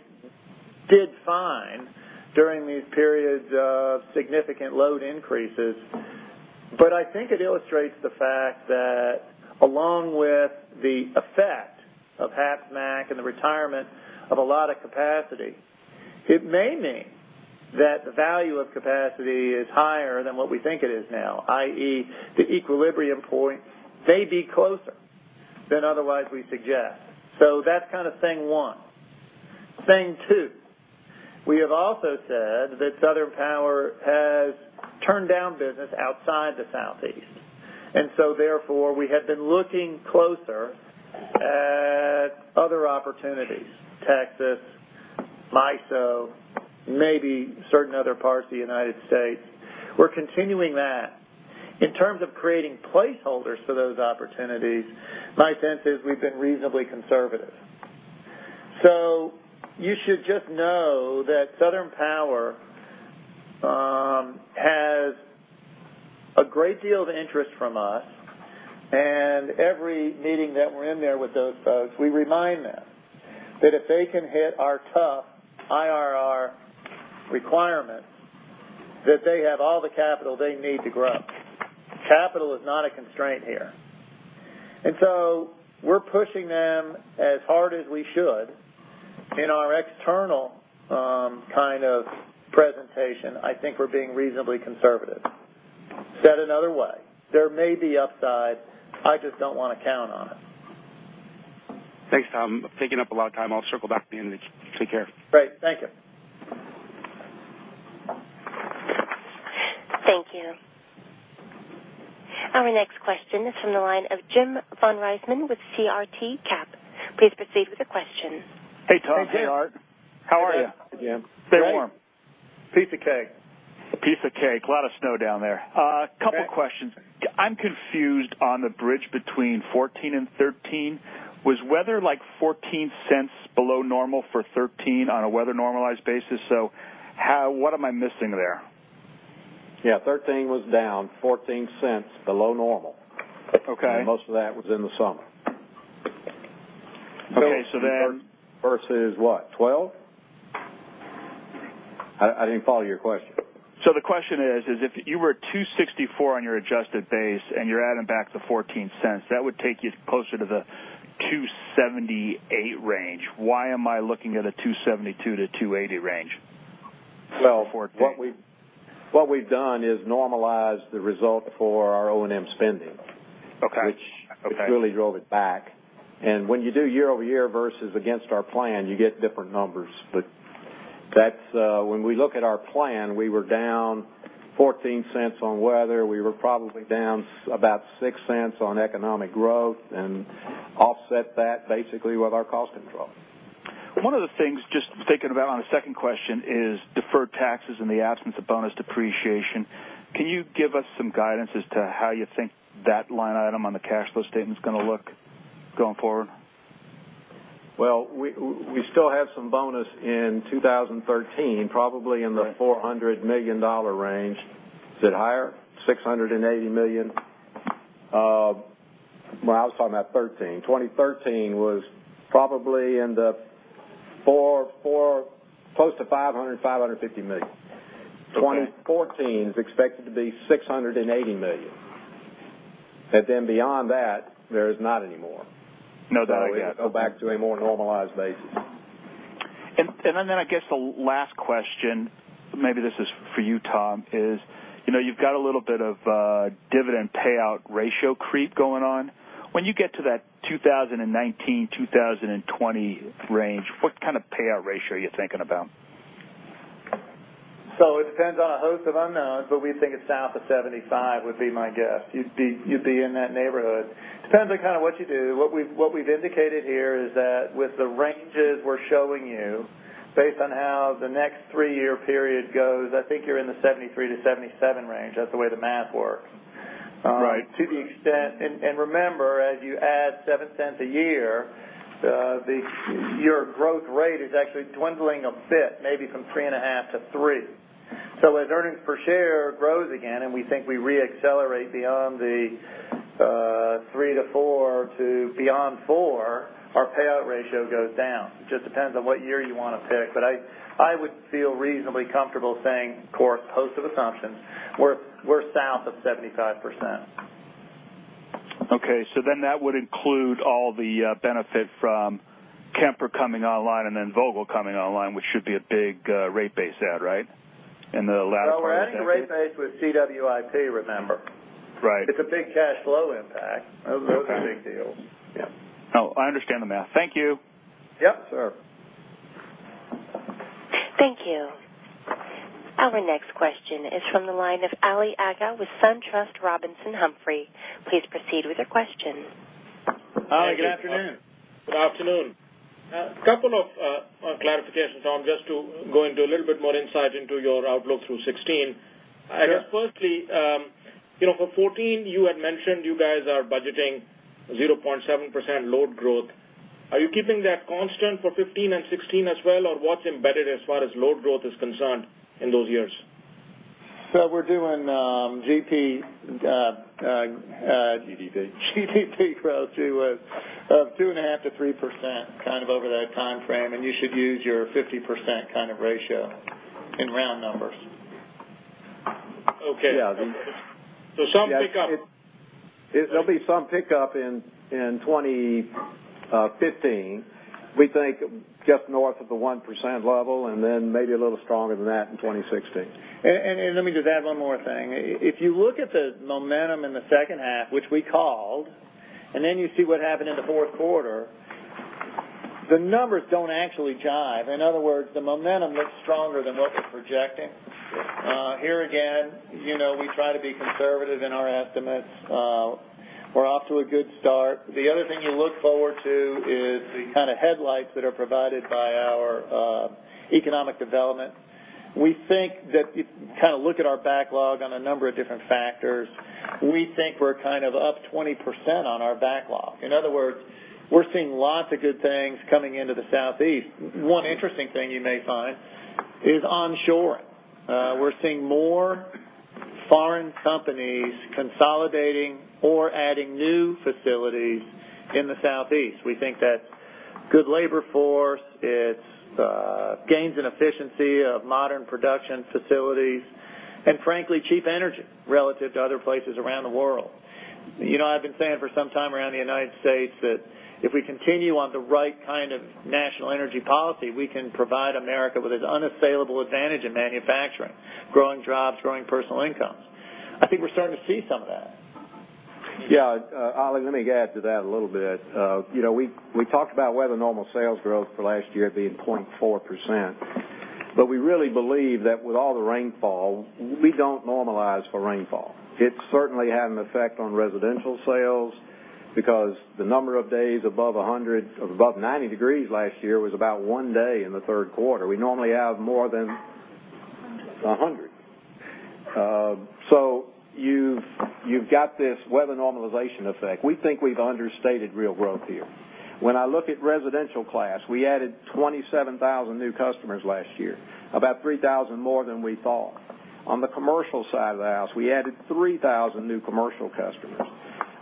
Speaker 3: did fine during these periods of significant load increases. I think it illustrates the fact that along with the effect of HAPS MACT and the retirement of a lot of capacity, it may mean that the value of capacity is higher than what we think it is now, i.e., the equilibrium point may be closer than otherwise we suggest. That's thing one. Thing two, we have also said that Southern Power has turned down business outside the Southeast, therefore, we have been looking closer at other opportunities, Texas, MISO, maybe certain other parts of the United States. We're continuing that. In terms of creating placeholders for those opportunities, my sense is we've been reasonably conservative. You should just know that Southern Power has a great deal of interest from us, and every meeting that we're in there with those folks, we remind them that if they can hit our tough IRR requirements, that they have all the capital they need to grow. Capital is not a constraint here. We're pushing them as hard as we should. In our external presentation, I think we're being reasonably conservative. Said another way, there may be upside. I just don't want to count on it.
Speaker 6: Thanks, Tom. I'm taking up a lot of time. I'll circle back at the end. Take care.
Speaker 3: Great. Thank you.
Speaker 1: Thank you. Our next question is from the line of Jim von Riesemann with CRT Capital Group. Please proceed with the question.
Speaker 7: Hey, Tom. Hey, Art. How are you?
Speaker 3: Hey, Jim.
Speaker 7: Stay warm.
Speaker 3: Piece of cake.
Speaker 7: A piece of cake. A lot of snow down there.
Speaker 3: Okay.
Speaker 7: A couple questions. I'm confused on the bridge between 2014 and 2013. Was weather like $0.14 below normal for 2013 on a weather-normalized basis? What am I missing there?
Speaker 3: Yeah. 2013 was down $0.14 below normal.
Speaker 7: Okay.
Speaker 3: Most of that was in the summer.
Speaker 7: Okay.
Speaker 3: Versus what, 12? I didn't follow your question.
Speaker 7: The question is, if you were 264 on your adjusted base and you're adding back the $0.14, that would take you closer to the 278 range. Why am I looking at a 272 to 280 range for 14?
Speaker 3: Well, what we've done is normalize the result for our O&M spending.
Speaker 7: Okay.
Speaker 3: Which really drove it back. When you do year-over-year versus against our plan, you get different numbers. When we look at our plan, we were down $0.14 on weather. We were probably down about $0.06 on economic growth and offset that basically with our cost control.
Speaker 7: One of the things, just thinking about on a second question, is deferred taxes in the absence of bonus depreciation. Can you give us some guidance as to how you think that line item on the cash flow statement's going to look going forward?
Speaker 4: Well, we still have some bonus in 2013, probably in the $400 million range. Is it higher? $680 million. Well, I was talking about 2013. 2013 was probably in the close to $500 million-$550 million. 2014 is expected to be $680 million. Beyond that, there is not anymore. No doubt. we go back to a more normalized basis.
Speaker 7: I guess the last question, maybe this is for you, Tom, is you've got a little bit of a dividend payout ratio creep going on. When you get to that 2019, 2020 range, what kind of payout ratio are you thinking about?
Speaker 3: it depends on a host of unknowns, but we think it's south of 75 would be my guess. You'd be in that neighborhood. Depends on what you do. What we've indicated here is that with the ranges we're showing you, based on how the next three-year period goes, I think you're in the 73%-77% range. That's the way the math works.
Speaker 7: Right.
Speaker 3: To the extent, remember, as you add $0.07 a year, your growth rate is actually dwindling a bit, maybe from three and a half to three. As earnings per share grows again, and we think we re-accelerate beyond the three to four to beyond four, our payout ratio goes down. It just depends on what year you want to pick, but I would feel reasonably comfortable saying, course host of assumptions, we're south of 75%.
Speaker 7: Okay, that would include all the benefit from Kemper coming online and then Vogtle coming online, which should be a big rate base add, right? In the latter part of-
Speaker 3: No, we're adding rate base with CWIP, remember.
Speaker 7: Right.
Speaker 3: It's a big cash flow impact.
Speaker 7: Okay.
Speaker 3: Those are big deals. Yep.
Speaker 7: No, I understand the math. Thank you.
Speaker 3: Yep. Sure.
Speaker 1: Thank you. Our next question is from the line of Ali Agha with SunTrust Robinson Humphrey. Please proceed with your question.
Speaker 3: Ali, good afternoon.
Speaker 8: Good afternoon. A couple of clarifications on just to go into a little bit more insight into your outlook through 2016.
Speaker 3: Sure.
Speaker 8: I guess firstly, for 2014, you had mentioned you guys are budgeting 0.7% load growth. Are you keeping that constant for 2015 and 2016 as well, or what's embedded as far as load growth is concerned in those years?
Speaker 3: We're doing.
Speaker 4: GDP
Speaker 3: We're doing GDP growth of 2.5%-3% over that timeframe, and you should use your 50% ratio in round numbers.
Speaker 8: Okay.
Speaker 4: Yeah.
Speaker 8: Some pickup.
Speaker 4: There'll be some pickup in 2015. We think just north of the 1% level, and then maybe a little stronger than that in 2016.
Speaker 3: Let me just add one more thing. If you look at the momentum in the second half, which we called, and then you see what happened in the fourth quarter, the numbers don't actually jive. In other words, the momentum looks stronger than what we're projecting. Here again, we try to be conservative in our estimates. We're off to a good start. The other thing to look forward to is the kind of headlights that are provided by our economic development. We think that if you look at our backlog on a number of different factors, we think we're up 20% on our backlog. In other words, we're seeing lots of good things coming into the Southeast. One interesting thing you may find is onshoring. We're seeing more foreign companies consolidating or adding new facilities in the Southeast. We think that's good labor force, it's gains in efficiency of modern production facilities, and frankly, cheap energy relative to other places around the world. I've been saying for some time around the U.S. that if we continue on the right kind of national energy policy, we can provide America with an unassailable advantage in manufacturing, growing jobs, growing personal incomes. I think we're starting to see some of that.
Speaker 4: Yeah. Ali, let me add to that a little bit. We talked about weather normal sales growth for last year being 0.4%, but we really believe that with all the rainfall, we don't normalize for rainfall. It certainly had an effect on residential sales because the number of days above 90 degrees last year was about one day in the third quarter. We normally have more than 100. You've got this weather normalization effect. We think we've understated real growth here. When I look at residential class, we added 27,000 new customers last year, about 3,000 more than we thought. On the commercial side of the house, we added 3,000 new commercial customers.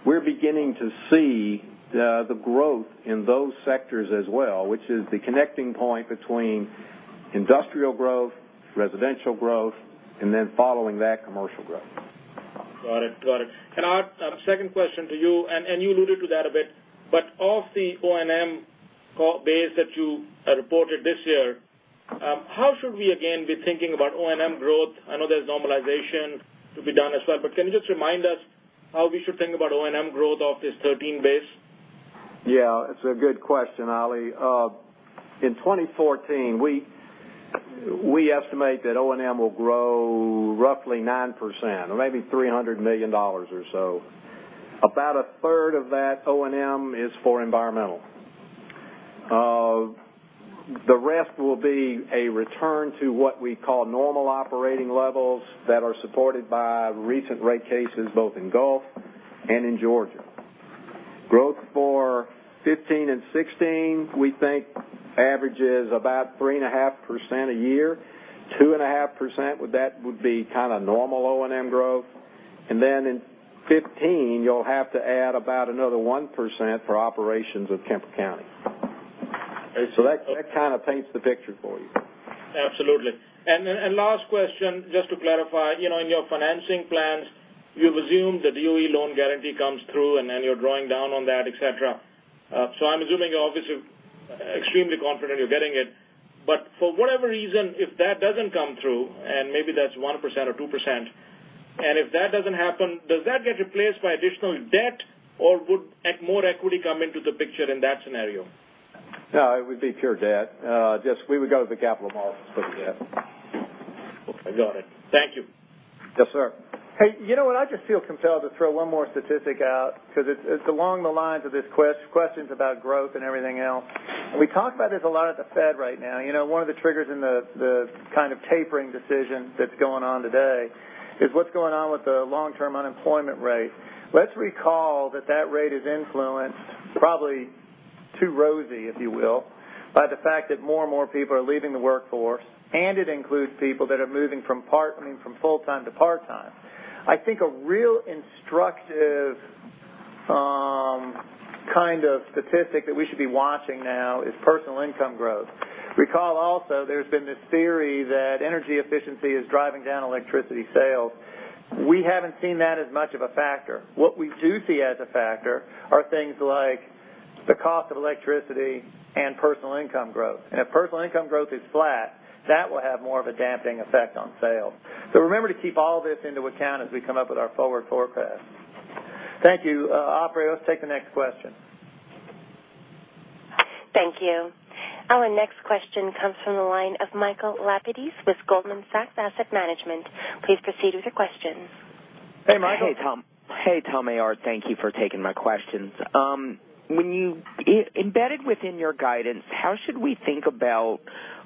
Speaker 4: We're beginning to see the growth in those sectors as well, which is the connecting point between industrial growth, residential growth, and then following that, commercial growth.
Speaker 8: Got it. Art, second question to you, and you alluded to that a bit, but of the O&M base that you reported this year, how should we again be thinking about O&M growth? I know there's normalization to be done as well, but can you just remind us how we should think about O&M growth off this 2013 base?
Speaker 4: Yeah, it's a good question, Ali. In 2014, we estimate that O&M will grow roughly 9%, or maybe $300 million or so. About a third of that O&M is for environmental. The rest will be a return to what we call normal operating levels that are supported by recent rate cases both in Gulf and in Georgia. Growth for 2015 and 2016, we think average is about 3.5% a year, 2.5% would be normal O&M growth. In 2015, you'll have to add about another 1% for operations of Kemper County. That paints the picture for you.
Speaker 8: Absolutely. Last question, just to clarify, in your financing plans, you've assumed the DOE loan guarantee comes through, and then you're drawing down on that, et cetera. I'm assuming you're obviously extremely confident you're getting it. For whatever reason, if that doesn't come through, and maybe that's 1% or 2%, and if that doesn't happen, does that get replaced by additional debt, or would more equity come into the picture in that scenario?
Speaker 4: No, it would be pure debt. We would go to the capital markets for the debt.
Speaker 8: I got it. Thank you.
Speaker 4: Yes, sir.
Speaker 3: Hey, you know what? I just feel compelled to throw one more statistic out because it's along the lines of these questions about growth and everything else. We talk about this a lot at the Fed right now. One of the triggers in the tapering decision that's going on today is what's going on with the long-term unemployment rate. Let's recall that that rate is influenced, probably too rosy, if you will, by the fact that more and more people are leaving the workforce, and it includes people that are moving from full-time to part-time. I think a real instructive kind of statistic that we should be watching now is personal income growth. Recall also, there's been this theory that energy efficiency is driving down electricity sales. We haven't seen that as much of a factor. What we do see as a factor are things like the cost of electricity and personal income growth. If personal income growth is flat, that will have more of a damping effect on sales. Remember to keep all this into account as we come up with our forward forecast. Thank you. Operator, let's take the next question.
Speaker 1: Thank you. Our next question comes from the line of Michael Lapides with Goldman Sachs Asset Management. Please proceed with your question.
Speaker 3: Hey, Michael.
Speaker 9: Hey, Tom. Hey, Art, thank you for taking my questions. Embedded within your guidance, how should we think about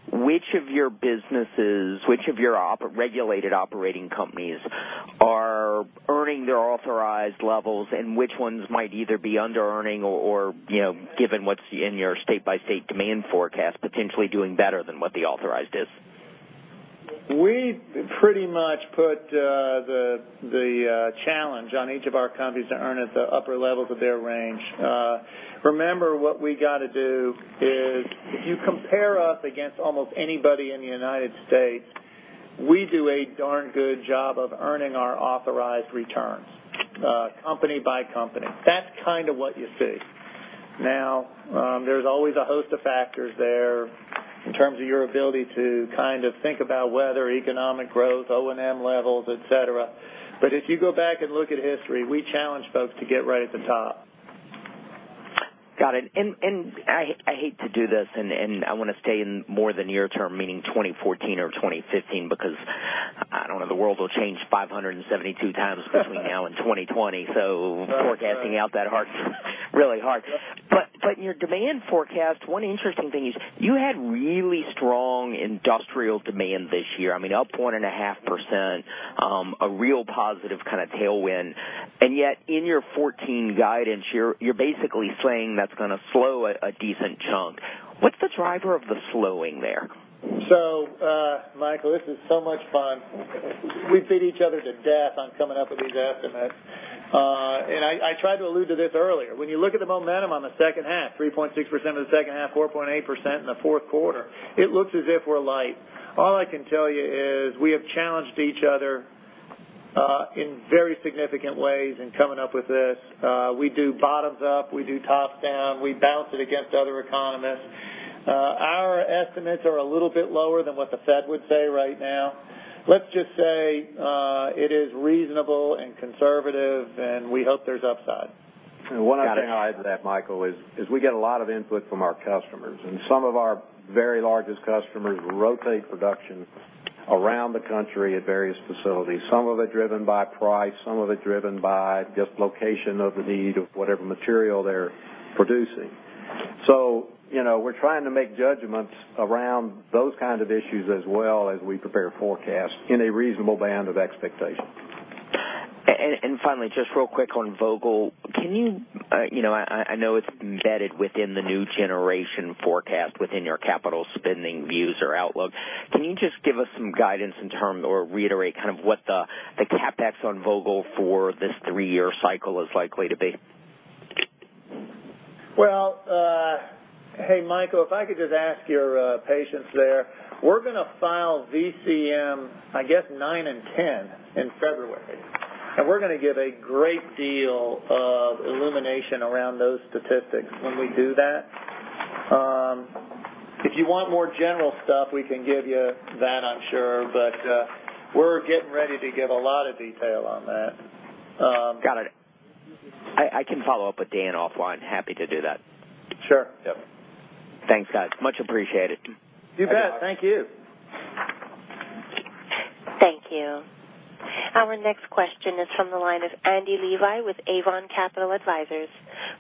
Speaker 9: which of your businesses, which of your regulated operating companies are earning their authorized levels and which ones might either be under-earning or, given what's in your state-by-state demand forecast, potentially doing better than what the authorized is?
Speaker 3: We pretty much put the challenge on each of our companies to earn at the upper levels of their range. Remember, what we got to do is, if you compare us against almost anybody in the U.S., we do a darn good job of earning our authorized returns, company by company. That's kind of what you see. There's always a host of factors there in terms of your ability to think about weather, economic growth, O&M levels, et cetera. If you go back and look at history, we challenge folks to get right at the top.
Speaker 9: Got it. I hate to do this, and I want to stay in more the near term, meaning 2014 or 2015, because I don't know, the world will change 572 times between now and 2020. Forecasting out that hard is really hard.
Speaker 3: Yeah.
Speaker 9: In your demand forecast, one interesting thing is you had really strong industrial demand this year. I mean, up 1.5%, a real positive kind of tailwind. Yet in your 2014 guidance, you're basically saying that's going to slow a decent chunk. What's the driver of the slowing there?
Speaker 3: Michael, this is so much fun. We beat each other to death on coming up with these estimates. I tried to allude to this earlier. When you look at the momentum on the second half, 3.6% in the second half, 4.8% in the fourth quarter, it looks as if we're light. All I can tell you is we have challenged each other in very significant ways in coming up with this. We do bottoms up, we do tops down, we bounce it against other economists. Our estimates are a little bit lower than what the Fed would say right now. Let's just say it is reasonable and conservative, and we hope there's upside.
Speaker 4: One other thing to add to that, Michael, is we get a lot of input from our customers, and some of our very largest customers rotate production around the country at various facilities. Some of it driven by price, some of it driven by just location of the need of whatever material they're producing. We're trying to make judgments around those kind of issues as well as we prepare forecasts in a reasonable band of expectation.
Speaker 9: Finally, just real quick on Vogtle. I know it's embedded within the new generation forecast within your capital spending views or outlook. Can you just give us some guidance in terms or reiterate what the CapEx on Vogtle for this three-year cycle is likely to be?
Speaker 3: Hey, Michael, if I could just ask your patience there. We're going to file VCM, I guess, nine and 10 in February. We're going to give a great deal of illumination around those statistics when we do that. If you want more general stuff, we can give you that, I'm sure. We're getting ready to give a lot of detail on that.
Speaker 9: Got it. I can follow up with Dan offline. Happy to do that.
Speaker 3: Sure.
Speaker 4: Yep.
Speaker 9: Thanks, guys. Much appreciated.
Speaker 3: You bet. Thank you.
Speaker 1: Thank you. Our next question is from the line of Andy Levi with Avon Capital Advisors.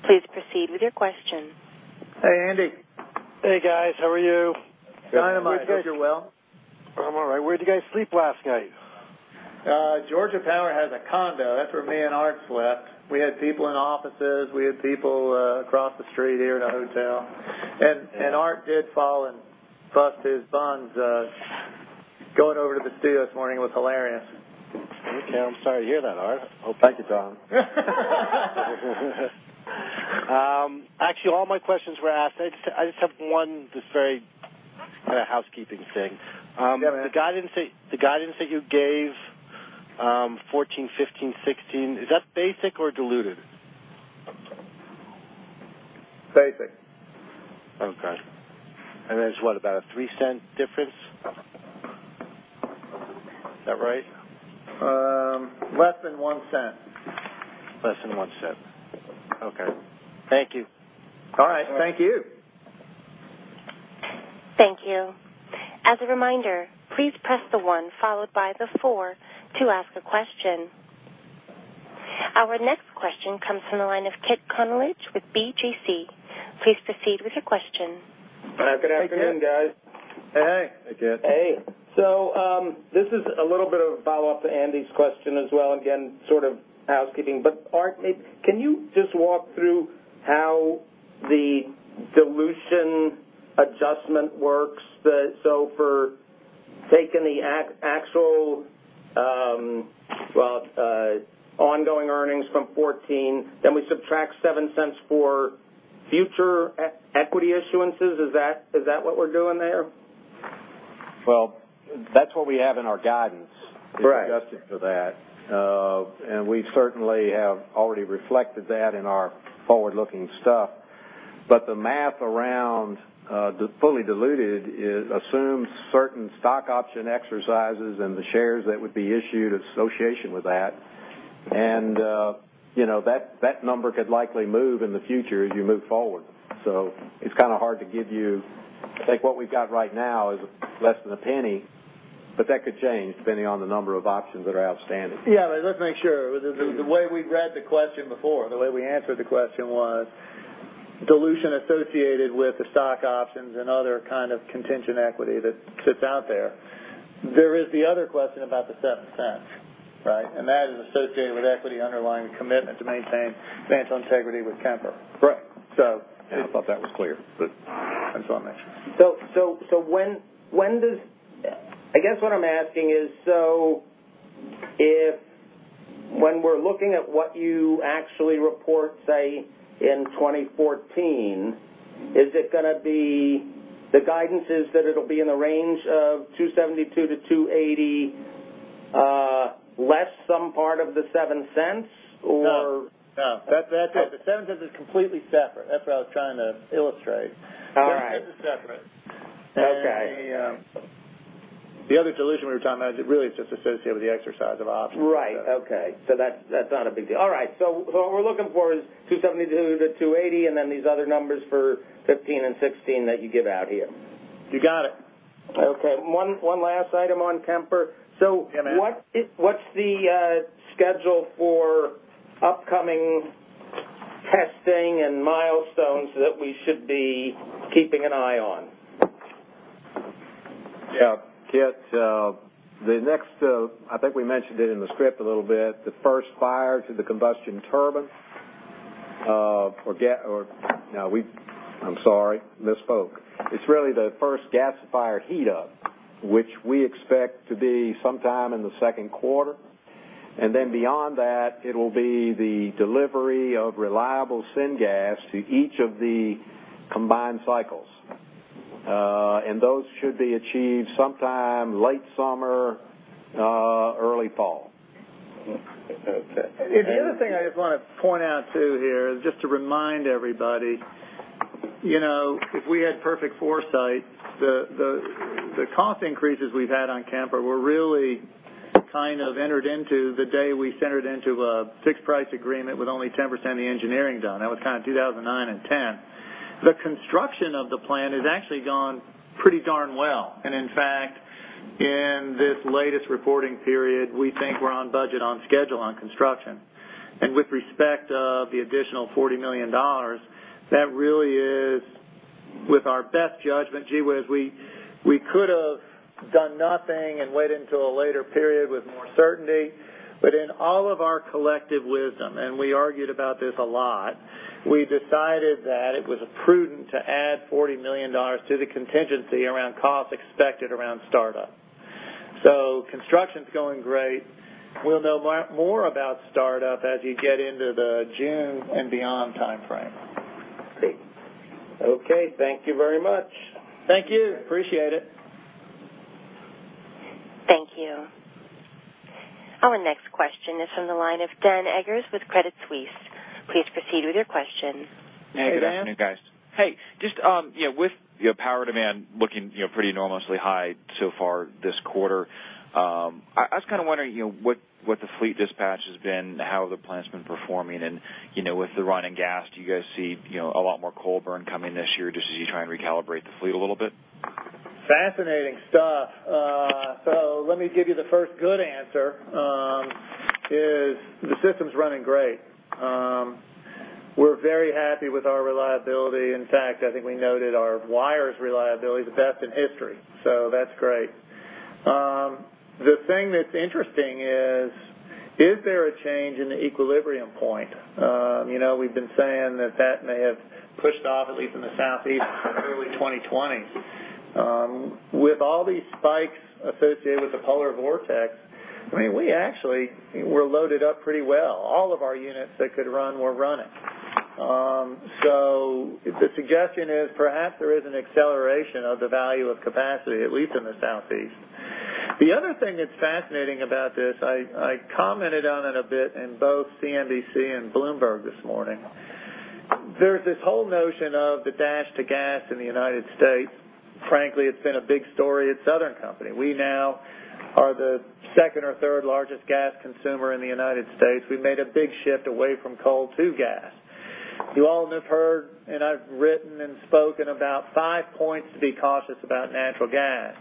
Speaker 1: Please proceed with your question.
Speaker 3: Hey, Andy.
Speaker 10: Hey, guys. How are you?
Speaker 3: Dynamite. Hope you're well.
Speaker 10: Where'd you guys sleep last night?
Speaker 3: Georgia Power has a condo. That's where me and Art slept. We had people in offices, we had people across the street here in a hotel. Art did fall and bust his buns going over to the studio this morning. It was hilarious.
Speaker 10: Okay. I'm sorry to hear that, Art.
Speaker 4: Well, thank you, Tom.
Speaker 10: Actually, all my questions were asked. I just have one, just a very housekeeping thing. Yeah, man. The guidance that you gave, 2014, 2015, 2016, is that basic or diluted?
Speaker 3: Basic.
Speaker 10: Okay. There's what, about a $0.03 difference? Is that right?
Speaker 3: Less than $0.01.
Speaker 10: Less than $0.01. Okay. Thank you.
Speaker 3: All right. Thank you.
Speaker 1: Thank you. As a reminder, please press the one followed by the four to ask a question. Our next question comes from the line of Kit Konolige with BGC. Please proceed with your question.
Speaker 11: Good afternoon, guys.
Speaker 3: Hey.
Speaker 4: Hey, Kit.
Speaker 11: This is a little bit of a follow-up to Andy's question as well, again, sort of housekeeping. Art, can you just walk through how the dilution adjustment works? For taking the actual ongoing earnings from 2014, then we subtract $0.07 for future equity issuances. Is that what we're doing there?
Speaker 4: Well, that's what we have in our guidance.
Speaker 11: Right
Speaker 4: The adjustment for that. We certainly have already reflected that in our forward-looking stuff. The math around the fully diluted assumes certain stock option exercises and the shares that would be issued association with that. That number could likely move in the future as you move forward. It's hard to give you I think what we've got right now is less than $0.01, but that could change depending on the number of options that are outstanding.
Speaker 3: Yeah. Let's make sure. The way we've read the question before, the way we answered the question was dilution associated with the stock options and other kind of contingent equity that sits out there. There is the other question about the $0.07, right? That is associated with equity underlying the commitment to maintain financial integrity with Kemper.
Speaker 4: Right.
Speaker 3: So.
Speaker 4: I thought that was clear, but I just want to make sure.
Speaker 11: I guess what I'm asking is, if when we're looking at what you actually report, say, in 2014, is it going to be the guidance is that it'll be in the range of 272-280, less some part of the $0.07 or?
Speaker 3: No. That's it. The $0.07 is completely separate. That's what I was trying to illustrate.
Speaker 11: All right.
Speaker 3: $0.07 is separate.
Speaker 11: Okay.
Speaker 3: The other dilution we were talking about really is just associated with the exercise of options.
Speaker 11: Right. Okay. That's not a big deal. All right. What we're looking for is 272-280, and then these other numbers for 15 and 16 that you give out here.
Speaker 3: You got it.
Speaker 11: Okay. One last item on Kemper.
Speaker 3: Yeah, man.
Speaker 11: What's the schedule for upcoming testing and milestones that we should be keeping an eye on?
Speaker 4: Yeah. Kit, the next, I think we mentioned it in the script a little bit, the first fire to the combustion turbine. No. I'm sorry, misspoke. It's really the first gasifier heat up, which we expect to be sometime in the second quarter. Beyond that, it'll be the delivery of reliable syngas to each of the combined cycles. Those should be achieved sometime late summer, early fall.
Speaker 11: Okay.
Speaker 3: The other thing I just want to point out is to remind everybody, if we had perfect foresight, the cost increases we've had on Kemper were really entered into the day we entered into a fixed price agreement with only 10% of the engineering done. That was 2009 and 2010. The construction of the plant has actually gone pretty darn well. In fact, in this latest reporting period, we think we're on budget, on schedule on construction. With respect of the additional $40 million, that really is with our best judgment, gee whiz, we could have done nothing and waited until a later period with more certainty. In all of our collective wisdom, and we argued about this a lot, we decided that it was prudent to add $40 million to the contingency around costs expected around startup. Construction's going great. We'll know more about startup as you get into the June and beyond timeframe.
Speaker 11: Great. Okay. Thank you very much.
Speaker 3: Thank you. Appreciate it.
Speaker 1: Thank you. Our next question is from the line of Dan Eggers with Credit Suisse. Please proceed with your question.
Speaker 3: Hey, Dan.
Speaker 12: Hey, good afternoon, guys. Hey, just with power demand looking pretty enormously high so far this quarter, I was kind of wondering what the fleet dispatch has been, how the plant's been performing, and with the run in gas, do you guys see a lot more coal burn coming this year just as you try and recalibrate the fleet a little bit?
Speaker 3: Fascinating stuff. Let me give you the first good answer, is the system's running great.
Speaker 12: Okay.
Speaker 3: We're very happy with our reliability. In fact, I think we noted our wires reliability the best in history. That's great. The thing that's interesting is there a change in the equilibrium point? We've been saying that may have pushed off, at least in the Southeast, to early 2020. With all these spikes associated with the polar vortex, we actually were loaded up pretty well. All of our units that could run were running. The suggestion is perhaps there is an acceleration of the value of capacity, at least in the Southeast. The other thing that's fascinating about this, I commented on it a bit in both CNBC and Bloomberg this morning. There's this whole notion of the dash to gas in the United States. Frankly, it's been a big story at Southern Company. We now are the second or third largest gas consumer in the United States. We've made a big shift away from coal to gas. You all must've heard, I've written and spoken about five points to be cautious about natural gas.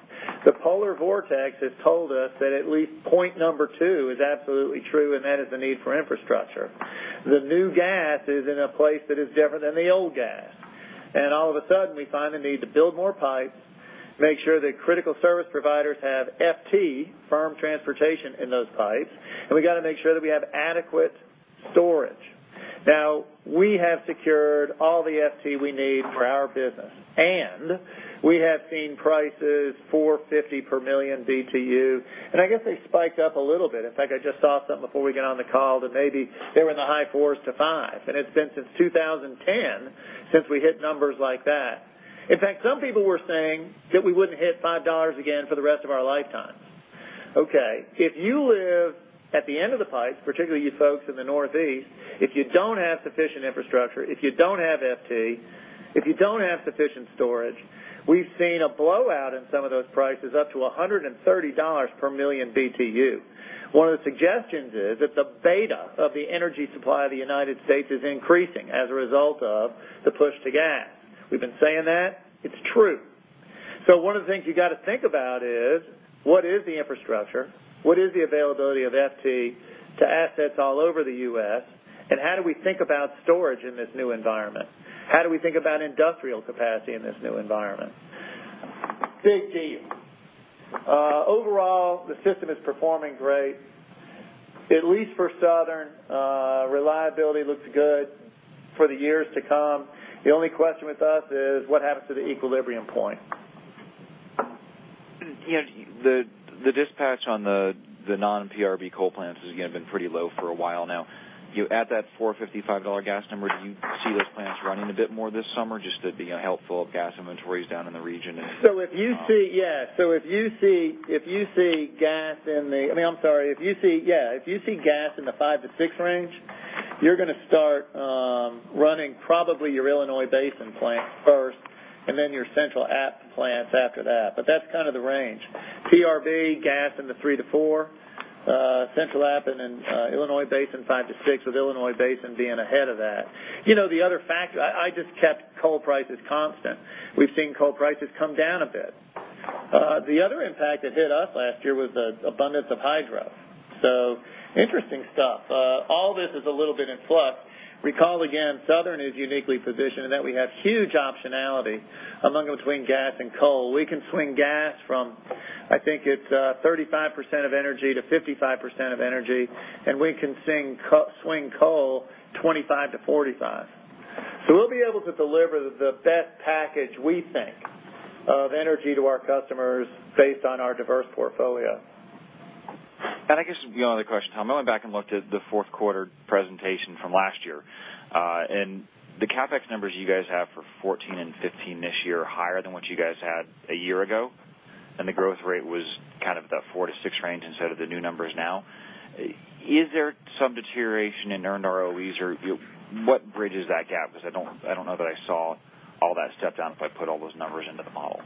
Speaker 3: The polar vortex has told us that at least point number 2 is absolutely true, and that is the need for infrastructure. All of a sudden, we find the need to build more pipes, make sure that critical service providers have FT, firm transportation, in those pipes, and we got to make sure that we have adequate storage. We have secured all the FT we need for our business, and we have seen prices $4.50 per million BTU. I guess they spiked up a little bit. In fact, I just saw something before we got on the call that maybe they were in the high fours to five. It's been since 2010 since we hit numbers like that. In fact, some people were saying that we wouldn't hit $5 again for the rest of our lifetime. Okay. If you live at the end of the pipe, particularly you folks in the Northeast, if you don't have sufficient infrastructure, if you don't have FT, if you don't have sufficient storage, we've seen a blowout in some of those prices up to $130 per million BTU. One of the suggestions is that the beta of the energy supply of the United States is increasing as a result of the push to gas. We've been saying that. It's true. One of the things you got to think about is what is the infrastructure? What is the availability of FT to assets all over the U.S., how do we think about storage in this new environment? How do we think about industrial capacity in this new environment? Big deal. Overall, the system is performing great. At least for Southern, reliability looks good for the years to come. The only question with us is what happens to the equilibrium point?
Speaker 12: The dispatch on the non-PRB coal plants has, again, been pretty low for a while now. You add that four $55 gas number, do you see those plants running a bit more this summer just to be helpful of gas inventories down in the region?
Speaker 3: Yeah. If you see gas in the five to six range, you're going to start running probably your Illinois Basin plant first, then your Central Appalachian plants after that. That's kind of the range. PRB gas in the three to four. Central Appalachian and then Illinois Basin, five to six, with Illinois Basin being ahead of that. I just kept coal prices constant. We've seen coal prices come down a bit. The other impact that hit us last year was the abundance of hydro. Interesting stuff. All this is a little bit in flux. Recall again, Southern is uniquely positioned in that we have huge optionality among and between gas and coal. We can swing gas from, I think it's 35% of energy to 55% of energy, and we can swing coal 25 to 45. We'll be able to deliver the best package, we think, of energy to our customers based on our diverse portfolio.
Speaker 12: I guess the only other question, Tom. I went back and looked at the fourth quarter presentation from last year. The CapEx numbers you guys have for 2014 and 2015 this year are higher than what you guys had a year ago. The growth rate was kind of the four to six range instead of the new numbers now. Is there some deterioration in earned ROEs? What bridges that gap? I don't know that I saw all that step down if I put all those numbers into the model.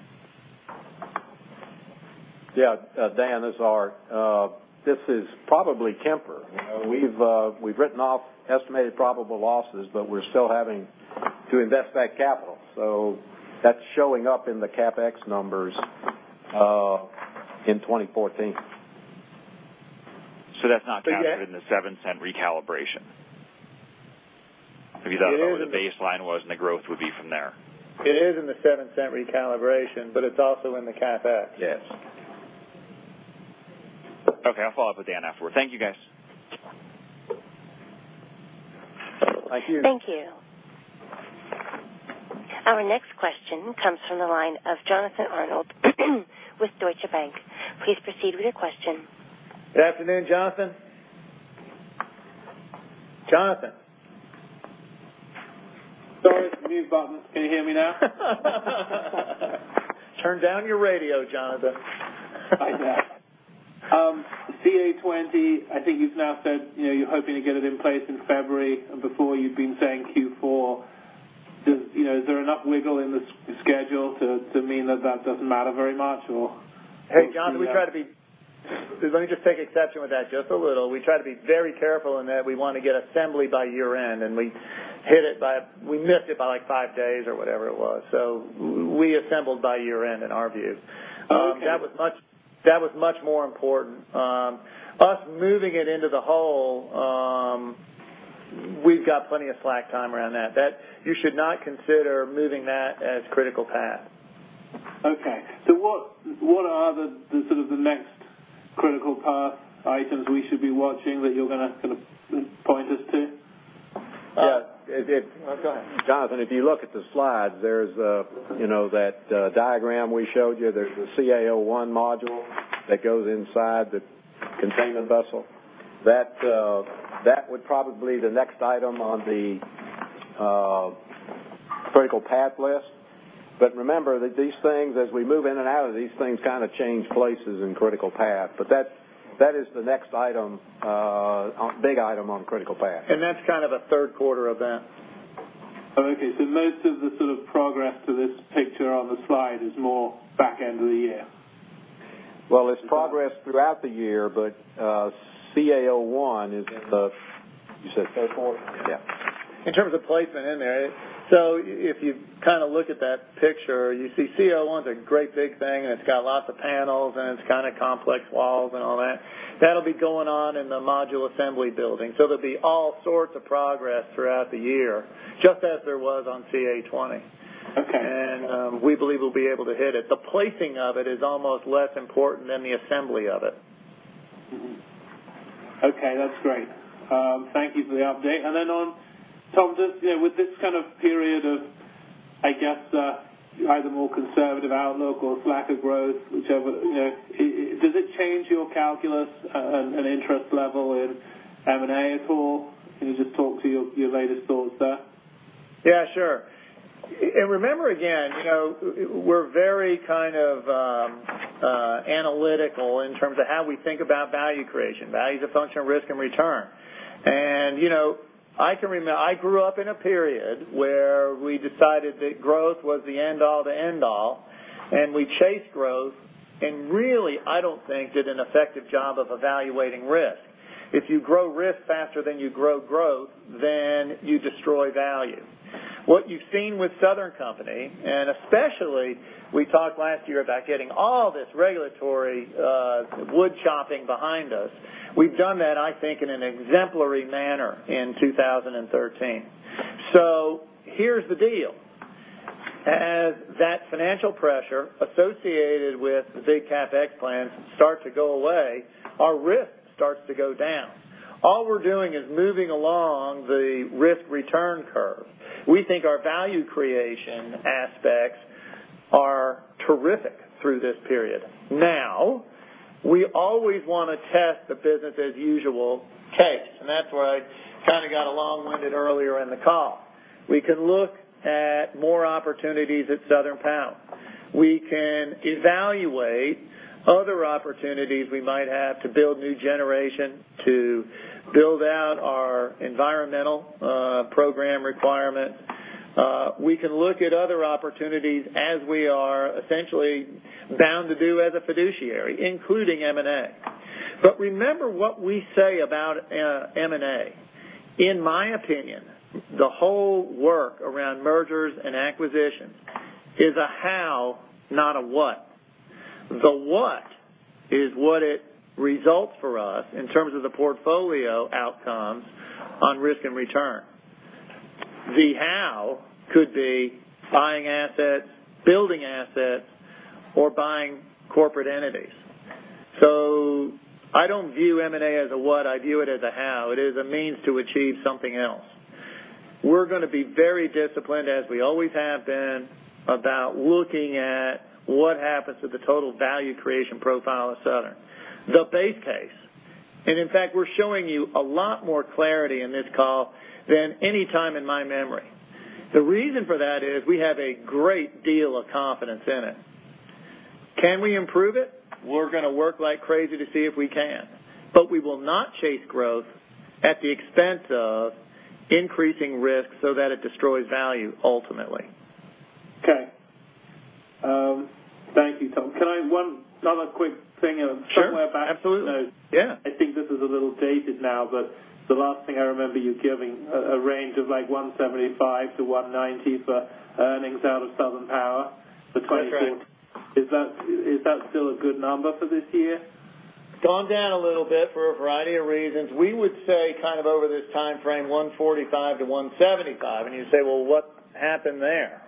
Speaker 3: Yeah. Dan, this is probably Kemper. We've written off estimated probable losses, we're still having to invest that capital. That's showing up in the CapEx numbers in 2014.
Speaker 12: That's not captured. Yeah. In the $0.07 recalibration? That's what the baseline was, the growth would be from there.
Speaker 3: It is in the $0.07 recalibration, but it's also in the CapEx.
Speaker 12: Yes. Okay, I'll follow up with Dan afterward. Thank you, guys.
Speaker 3: Thank you.
Speaker 1: Thank you. Our next question comes from the line of Jonathan Arnold with Deutsche Bank. Please proceed with your question.
Speaker 3: Good afternoon, Jonathan. Jonathan?
Speaker 13: Sorry, it's the mute button. Can you hear me now?
Speaker 3: Turn down your radio, Jonathan.
Speaker 13: I'm there. CA20, I think you've now said you're hoping to get it in place in February. Before, you'd been saying Q4. Is there enough wiggle in the schedule to mean that that doesn't matter very much?
Speaker 3: Hey, Jonathan. Let me just take exception with that just a little. We try to be very careful in that we want to get assembly by year-end, and we missed it by five days or whatever it was. We assembled by year-end in our view.
Speaker 13: Okay.
Speaker 3: That was much more important. Us moving it into the hole, we've got plenty of slack time around that. You should not consider moving that as critical path.
Speaker 13: Okay. What are the next critical path items we should be watching that you're going to point us to?
Speaker 4: Yeah.
Speaker 3: Oh, go ahead.
Speaker 4: Jonathan, if you look at the slide, there is that diagram we showed you. There is the CA-01 module that goes inside the containment vessel. That would probably be the next item on the critical path list. Remember that these things, as we move in and out of these things, kind of change places in critical path. That is the next big item on critical path.
Speaker 3: That is kind of a third quarter event.
Speaker 13: Okay, most of the progress to this picture on the slide is more back end of the year.
Speaker 4: Well, it is progress throughout the year, CA-01 is in the.
Speaker 13: You said fourth quarter.
Speaker 4: Yeah.
Speaker 3: In terms of placement in there. If you look at that picture, you see CA-01's a great big thing and it's got lots of panels and it's kind of complex walls and all that. That'll be going on in the module assembly building. There'll be all sorts of progress throughout the year, just as there was on CA-20.
Speaker 13: Okay.
Speaker 3: We believe we'll be able to hit it. The placing of it is almost less important than the assembly of it.
Speaker 13: Okay, that's great. Thank you for the update. Then Tom, with this kind of period of, I guess, either more conservative outlook or slack of growth, whichever. Does it change your calculus and interest level in M&A at all? Can you just talk to your latest thoughts there?
Speaker 3: Yeah, sure. Remember, again, we're very analytical in terms of how we think about value creation. Value's a function of risk and return. I grew up in a period where we decided that growth was the end-all to end all, and we chased growth, and really, I don't think did an effective job of evaluating risk. If you grow risk faster than you grow growth, then you destroy value. What you've seen with Southern Company, and especially, we talked last year about getting all this regulatory wood chopping behind us. We've done that, I think, in an exemplary manner in 2013. Here's the deal. As that financial pressure associated with the big CapEx plans starts to go away, our risk starts to go down. All we're doing is moving along the risk-return curve. We think our value creation aspects are terrific through this period. We always want to test the business as usual case, and that's why I kind of got long-winded earlier in the call. We can look at more opportunities at Southern Power. We can evaluate other opportunities we might have to build new generation, to build out our environmental program requirement. We can look at other opportunities as we are essentially bound to do as a fiduciary, including M&A. Remember what we say about M&A. In my opinion, the whole work around mergers and acquisitions is a how, not a what. The what is what it results for us in terms of the portfolio outcomes on risk and return. The how could be buying assets, building assets, or buying corporate entities. I don't view M&A as a what, I view it as a how. It is a means to achieve something else. We're going to be very disciplined, as we always have been, about looking at what happens to the total value creation profile of Southern. The base case. In fact, we're showing you a lot more clarity in this call than any time in my memory. The reason for that is we have a great deal of confidence in it. Can we improve it? We're going to work like crazy to see if we can. We will not chase growth at the expense of increasing risk so that it destroys value ultimately.
Speaker 13: Okay. Thank you, Tom. Can I one other quick thing?
Speaker 3: Sure. Absolutely. Yeah.
Speaker 13: I think this is a little dated now, but the last thing I remember you giving a range of like $175-$190 for earnings out of Southern Power for 2024.
Speaker 3: That's right.
Speaker 13: Is that still a good number for this year?
Speaker 3: It's gone down a little bit for a variety of reasons. We would say over this timeframe, $145-$175. You say, "Well, what happened there?"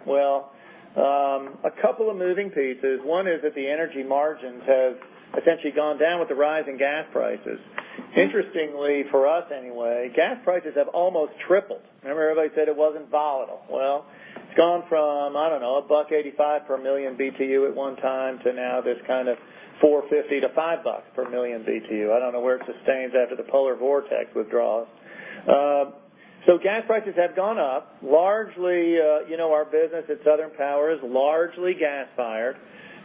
Speaker 3: A couple of moving pieces. One is that the energy margins have essentially gone down with the rise in gas prices. Interestingly, for us anyway, gas prices have almost tripled. Remember everybody said it wasn't volatile? It's gone from, I don't know, $1.85 per million BTU at one time to now this kind of $4.50-$5 per million BTU. I don't know where it sustains after the polar vortex withdraws. Gas prices have gone up. Our business at Southern Power is largely gas-fired,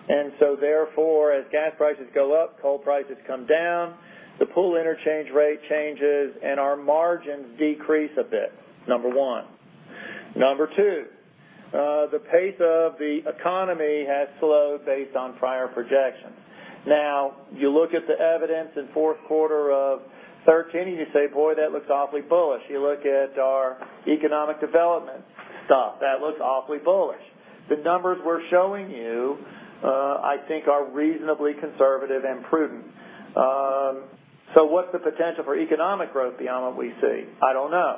Speaker 3: and so therefore, as gas prices go up, coal prices come down, the pool interchange rate changes, and our margins decrease a bit. Number one. Number two, the pace of the economy has slowed based on prior projections. You look at the evidence in fourth quarter of 2013, and you say, "Boy, that looks awfully bullish." You look at our economic development stuff that looks awfully bullish. The numbers we're showing you, I think are reasonably conservative and prudent. What's the potential for economic growth beyond what we see? I don't know.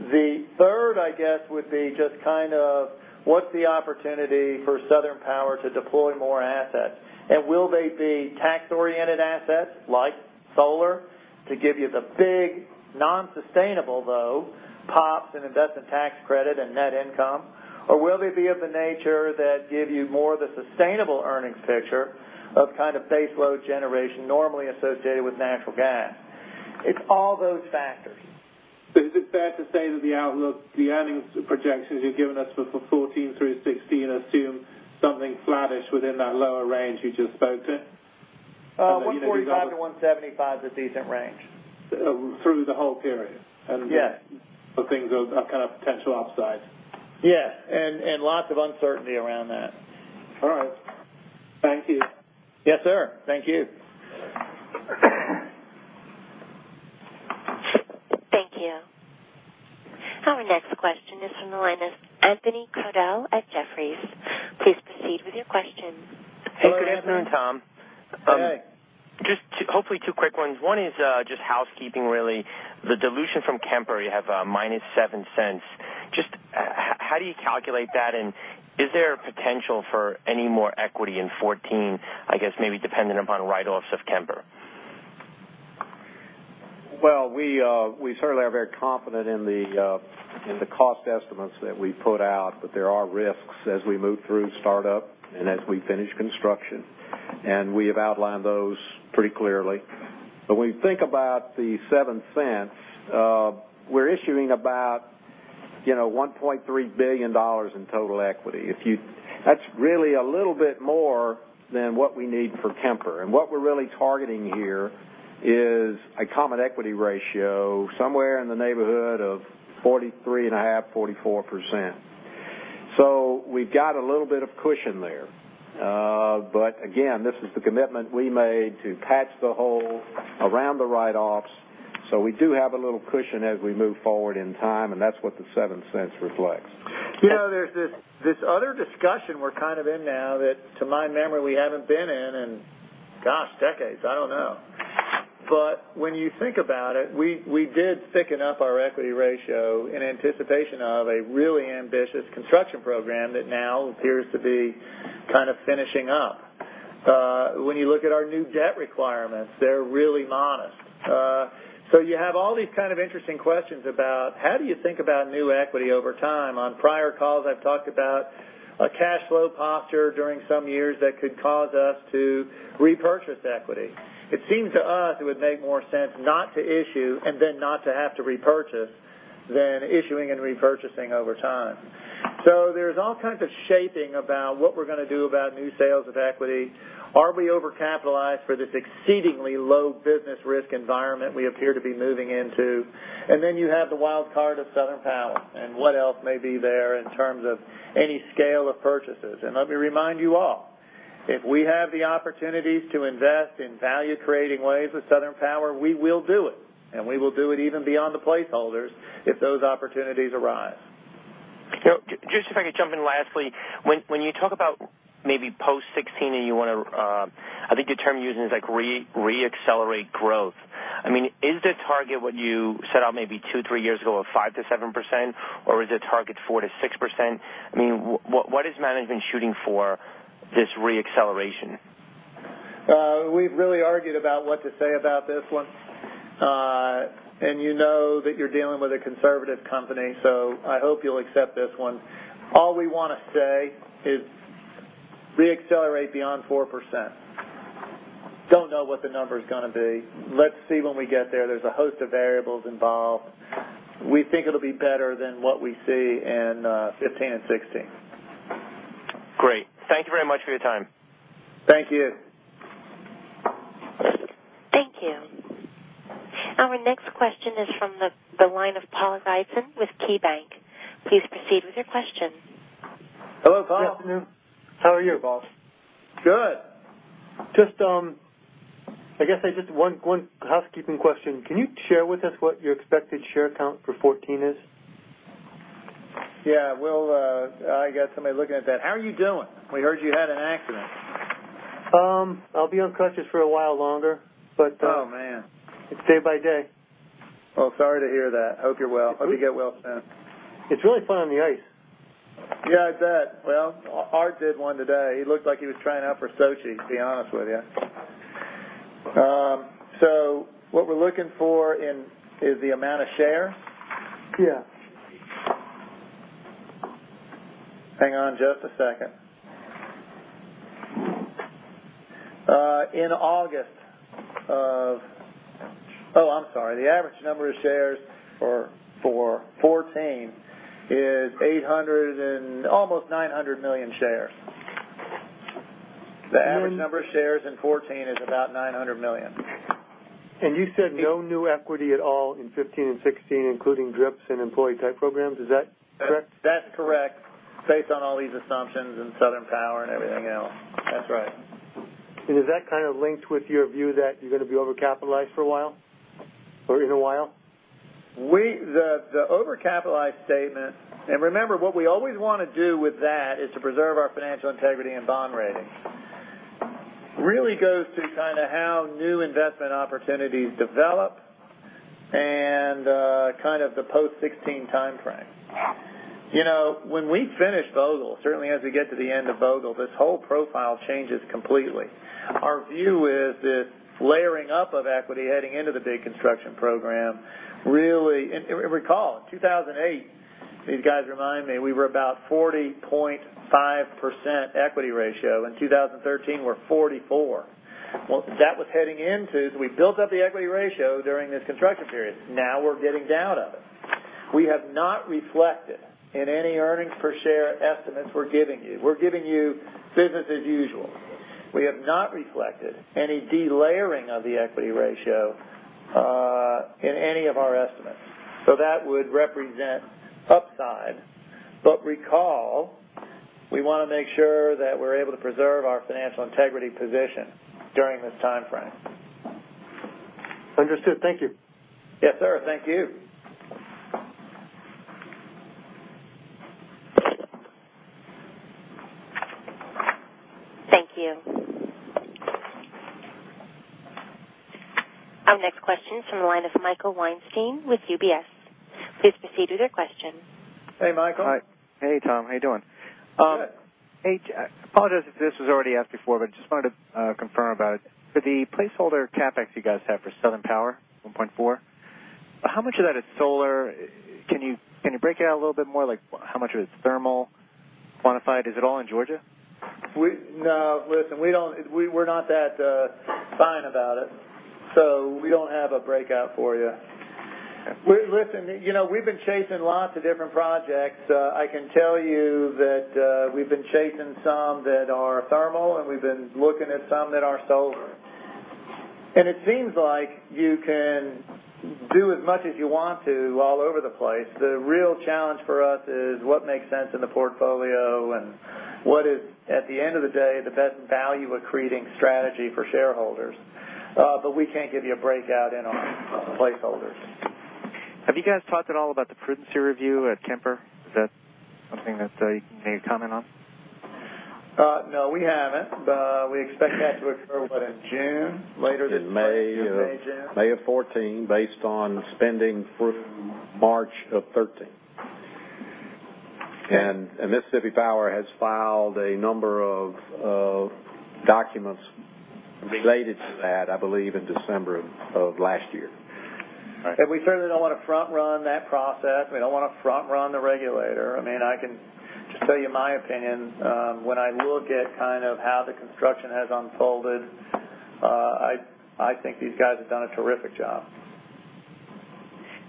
Speaker 3: The third, I guess, would be just what's the opportunity for Southern Power to deploy more assets? Will they be tax-oriented assets like solar to give you the big non-sustainable, though, pops in investment tax credit and net income, or will they be of the nature that give you more of the sustainable earnings picture of base load generation normally associated with natural gas? It's all those factors. Is it fair to say that the outlook, the earnings projections you've given us for 2014 through 2016 assume something flattish within that lower range you just spoke to? $145-$175 is a decent range. Through the whole period? Yes. But things have potential upside. Yes, and lots of uncertainty around that. All right. Thank you. Yes, sir. Thank you.
Speaker 1: Thank you. Our next question is from the line of Anthony Crowdell at Jefferies. Please proceed with your question.
Speaker 14: Good afternoon, Tom.
Speaker 3: Hey.
Speaker 14: Hopefully two quick ones. One is housekeeping, really. The dilution from Kemper, you have minus $0.07. How do you calculate that? Is there a potential for any more equity in 2014, I guess, maybe dependent upon write-offs of Kemper?
Speaker 3: Well, we certainly are very confident in the cost estimates that we put out. There are risks as we move through startup and as we finish construction. We have outlined those pretty clearly. When you think about the $0.07, we're issuing about $1.3 billion in total equity. That's really a little bit more than what we need for Kemper. What we're really targeting here is a common equity ratio somewhere in the neighborhood of 43.5%, 44%. We've got a little bit of cushion there. Again, this is the commitment we made to patch the hole around the write-offs. We do have a little cushion as we move forward in time, and that's what the $0.07 reflects. There's this other discussion we're in now that, to my memory, we haven't been in, gosh, decades. I don't know. When you think about it, we did thicken up our equity ratio in anticipation of a really ambitious construction program that now appears to be finishing up. When you look at our new debt requirements, they're really modest. You have all these kind of interesting questions about how do you think about new equity over time? On prior calls, I've talked about a cash flow posture during some years that could cause us to repurchase equity. It seems to us it would make more sense not to issue and then not to have to repurchase than issuing and repurchasing over time. There's all kinds of shaping about what we're going to do about new sales of equity. Are we over-capitalized for this exceedingly low business risk environment we appear to be moving into? You have the wild card of Southern Power and what else may be there in terms of any scale of purchases. Let me remind you all, if we have the opportunities to invest in value-creating ways with Southern Power, we will do it, and we will do it even beyond the placeholders if those opportunities arise.
Speaker 14: Just if I could jump in lastly. When you talk about maybe post 2016 and you want to, I think the term you're using is re-accelerate growth. Is the target what you set out maybe two, three years ago of 5%-7%? Or is the target 4%-6%? What is management shooting for this re-acceleration?
Speaker 3: We've really argued about what to say about this one. You know that you're dealing with a conservative company, so I hope you'll accept this one. All we want to say is re-accelerate beyond 4%. Don't know what the number's going to be. Let's see when we get there. There's a host of variables involved. We think it'll be better than what we see in 2015 and 2016.
Speaker 14: Great. Thank you very much for your time.
Speaker 3: Thank you.
Speaker 1: Thank you. Our next question is from the line of Paul Ziesen with KeyBank. Please proceed with your question.
Speaker 3: Hello, Paul.
Speaker 15: Good afternoon. How are you, boss?
Speaker 3: Good.
Speaker 15: Just, I guess just one housekeeping question. Can you share with us what your expected share count for 2014 is?
Speaker 3: Yeah. Well, I got somebody looking at that. How are you doing? We heard you had an accident.
Speaker 15: I'll be on crutches for a while longer.
Speaker 3: Oh, man.
Speaker 15: It's day by day.
Speaker 3: Well, sorry to hear that. Hope you're well. Hope you get well soon.
Speaker 15: It's really fun on the ice.
Speaker 3: Yeah, I bet. Well, Art did one today. He looked like he was trying out for Sochi, to be honest with you. What we're looking for is the amount of share?
Speaker 15: Yeah.
Speaker 3: Hang on just a second. In August oh, I'm sorry. The average number of shares for 2014 is almost 900 million shares. The average number of shares in 2014 is about 900 million.
Speaker 15: You said no new equity at all in 2015 and 2016, including drips and employee type programs. Is that correct?
Speaker 3: That's correct. Based on all these assumptions and Southern Power and everything else. That's right.
Speaker 15: Is that linked with your view that you're going to be over-capitalized for a while or in a while?
Speaker 3: The over-capitalized statement, and remember, what we always want to do with that is to preserve our financial integrity and bond rating. Really goes to how new investment opportunities develop and the post 2016 timeframe. When we finish Vogtle, certainly as we get to the end of Vogtle, this whole profile changes completely. Our view is this layering up of equity heading into the big construction program, really. And recall, in 2008, these guys remind me we were about 40.5% equity ratio. In 2013, we are 44%. What that was heading into is we built up the equity ratio during this construction period. Now we are getting down of it. We have not reflected in any earnings per share estimates we are giving you. We are giving you business as usual. We have not reflected any delayering of the equity ratio in any of our estimates. That would represent upside. Recall, we want to make sure that we are able to preserve our financial integrity position during this timeframe.
Speaker 15: Understood. Thank you.
Speaker 3: Yes, sir. Thank you.
Speaker 1: Thank you. Our next question is from the line of Michael Weinstein with UBS. Please proceed with your question.
Speaker 3: Hey, Michael.
Speaker 16: Hi. Hey, Tom. How you doing?
Speaker 3: Good.
Speaker 16: Hey, apologies if this was already asked before. Just wanted to confirm about the placeholder CapEx you guys have for Southern Power, $1.4. How much of that is solar? Can you break it out a little bit more? How much of it is thermal quantified? Is it all in Georgia?
Speaker 3: No. Listen, we're not that fine about it, we don't have a breakout for you. Listen, we've been chasing lots of different projects. I can tell you that we've been chasing some that are thermal, we've been looking at some that are solar. It seems like you can do as much as you want to all over the place. The real challenge for us is what makes sense in the portfolio and what is, at the end of the day, the best value-accreting strategy for shareholders. We can't give you a breakout in on placeholders.
Speaker 16: Have you guys talked at all about the prudency review at Kemper? Is that something that you can comment on?
Speaker 3: No, we haven't. We expect that to occur, what, in June? Later than-
Speaker 4: May
Speaker 3: May, June.
Speaker 4: May of 2014, based on spending through March of 2013. Mississippi Power has filed a number of documents related to that, I believe, in December of last year.
Speaker 3: We certainly don't want to front-run that process. We don't want to front-run the regulator. I can just tell you my opinion. When I look at how the construction has unfolded, I think these guys have done a terrific job.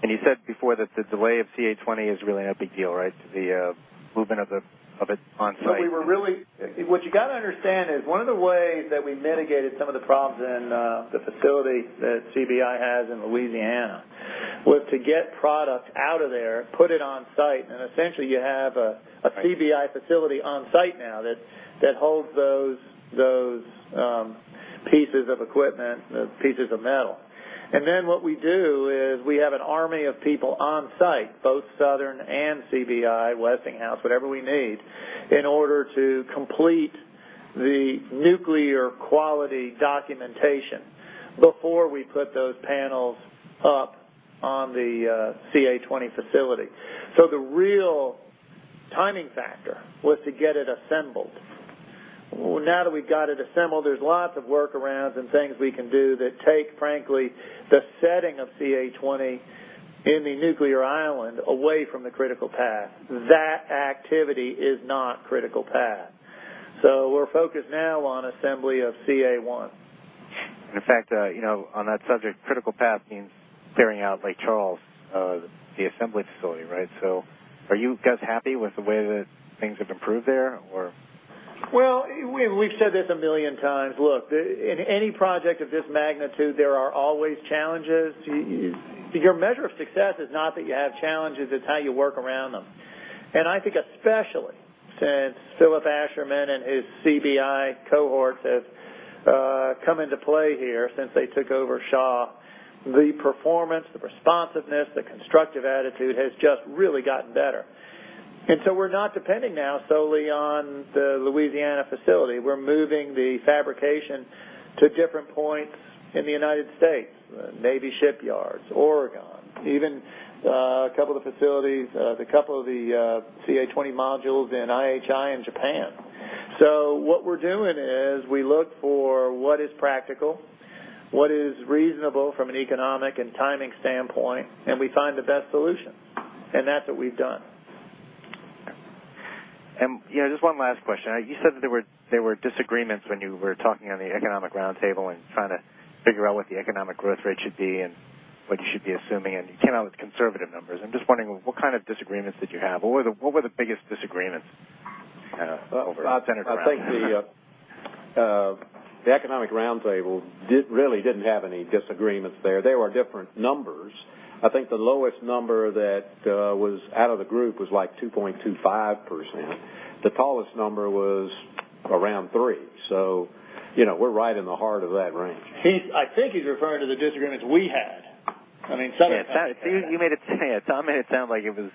Speaker 16: You said before that the delay of CA20 is really no big deal, right? The movement of it on site.
Speaker 3: What you got to understand is one of the ways that we mitigated some of the problems in the facility that CB&I has in Louisiana was to get product out of there, put it on site, essentially you have a CB&I facility on site now that holds those pieces of equipment, pieces of metal. Then what we do is we have an army of people on site, both Southern and CB&I, Westinghouse, whatever we need, in order to complete the nuclear quality documentation before we put those panels up on the CA20 facility. The real timing factor was to get it assembled. Now that we've got it assembled, there's lots of workarounds and things we can do that take, frankly, the setting of CA20 in the nuclear island away from the critical path. That activity is not critical path. We're focused now on assembly of CA1.
Speaker 16: In fact, on that subject, critical path means carrying out Lake Charles, the assembly facility, right? Are you guys happy with the way that things have improved there?
Speaker 3: Well, we've said this a million times. Look, in any project of this magnitude, there are always challenges. Your measure of success is not that you have challenges, it's how you work around them. I think especially since Philip Asherman and his CB&I cohorts have come into play here since they took over Shaw, the performance, the responsiveness, the constructive attitude has just really gotten better. We're not depending now solely on the Louisiana facility. We're moving the fabrication to different points in the U.S., Navy shipyards, Oregon, even a couple of the CA20 modules in IHI in Japan. What we're doing is we look for what is practical, what is reasonable from an economic and timing standpoint, and we find the best solution. That's what we've done.
Speaker 16: Just one last question. You said that there were disagreements when you were talking on the economic roundtable and trying to figure out what the economic growth rate should be and what you should be assuming, and you came out with conservative numbers. I'm just wondering, what kind of disagreements did you have? What were the biggest disagreements over at.
Speaker 3: I think the economic roundtable really didn't have any disagreements there. There were different numbers.
Speaker 4: I think the lowest number that was out of the group was like 2.25%. The tallest number was around 3%. We're right in the heart of that range.
Speaker 3: I think he's referring to the disagreements we had. I mean,
Speaker 16: Yeah. Tom made it sound like it was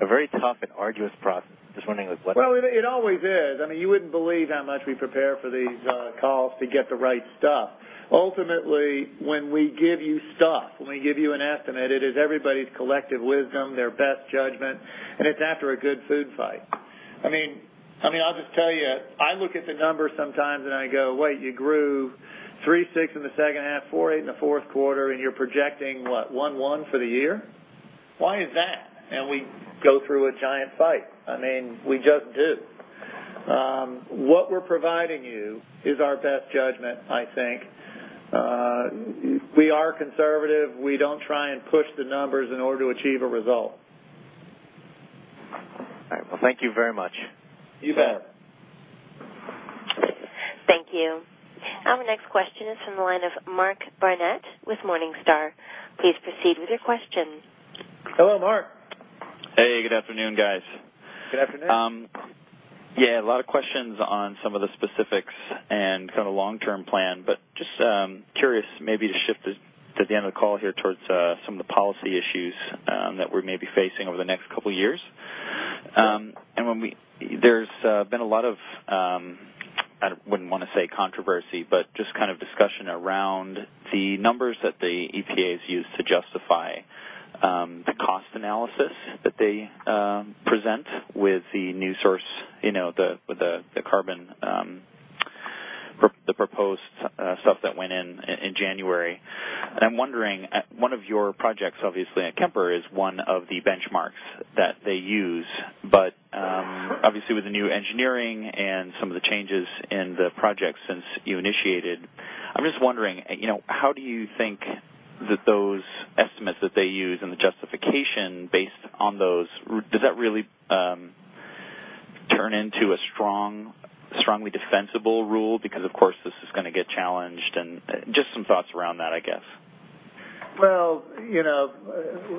Speaker 16: a very tough and arduous process. Just wondering like.
Speaker 3: Well, it always is. You wouldn't believe how much we prepare for these calls to get the right stuff. Ultimately, when we give you stuff, when we give you an estimate, it is everybody's collective wisdom, their best judgment, and it's after a good food fight. I'll just tell you, I look at the numbers sometimes and I go, "Wait, you grew 3.6% in the second half, 4.8% in the fourth quarter, and you're projecting what, 1.1% for the year? Why is that?" We go through a giant fight. We just do. What we're providing you is our best judgment, I think. We are conservative. We don't try and push the numbers in order to achieve a result.
Speaker 16: All right. Well, thank you very much.
Speaker 3: You bet.
Speaker 1: Thank you. Our next question is from the line of Mark Barnett with Morningstar. Please proceed with your question.
Speaker 3: Hello, Mark.
Speaker 17: Hey, good afternoon, guys.
Speaker 3: Good afternoon.
Speaker 17: A lot of questions on some of the specifics and kind of long-term plan, just curious maybe to shift at the end of the call here towards some of the policy issues that we're maybe facing over the next couple of years.
Speaker 3: Sure.
Speaker 17: There's been a lot of, I wouldn't want to say controversy, just kind of discussion around the numbers that the EPA use to justify the cost analysis that they present with the new source, with the carbon, the proposed stuff that went in January. I'm wondering, one of your projects, obviously at Kemper, is one of the benchmarks that they use.
Speaker 3: Sure
Speaker 17: obviously with the new engineering and some of the changes in the project since you initiated, I'm just wondering, how do you think that those estimates that they use and the justification based on those, does that really turn into a strongly defensible rule? Of course this is going to get challenged and just some thoughts around that, I guess.
Speaker 3: Well,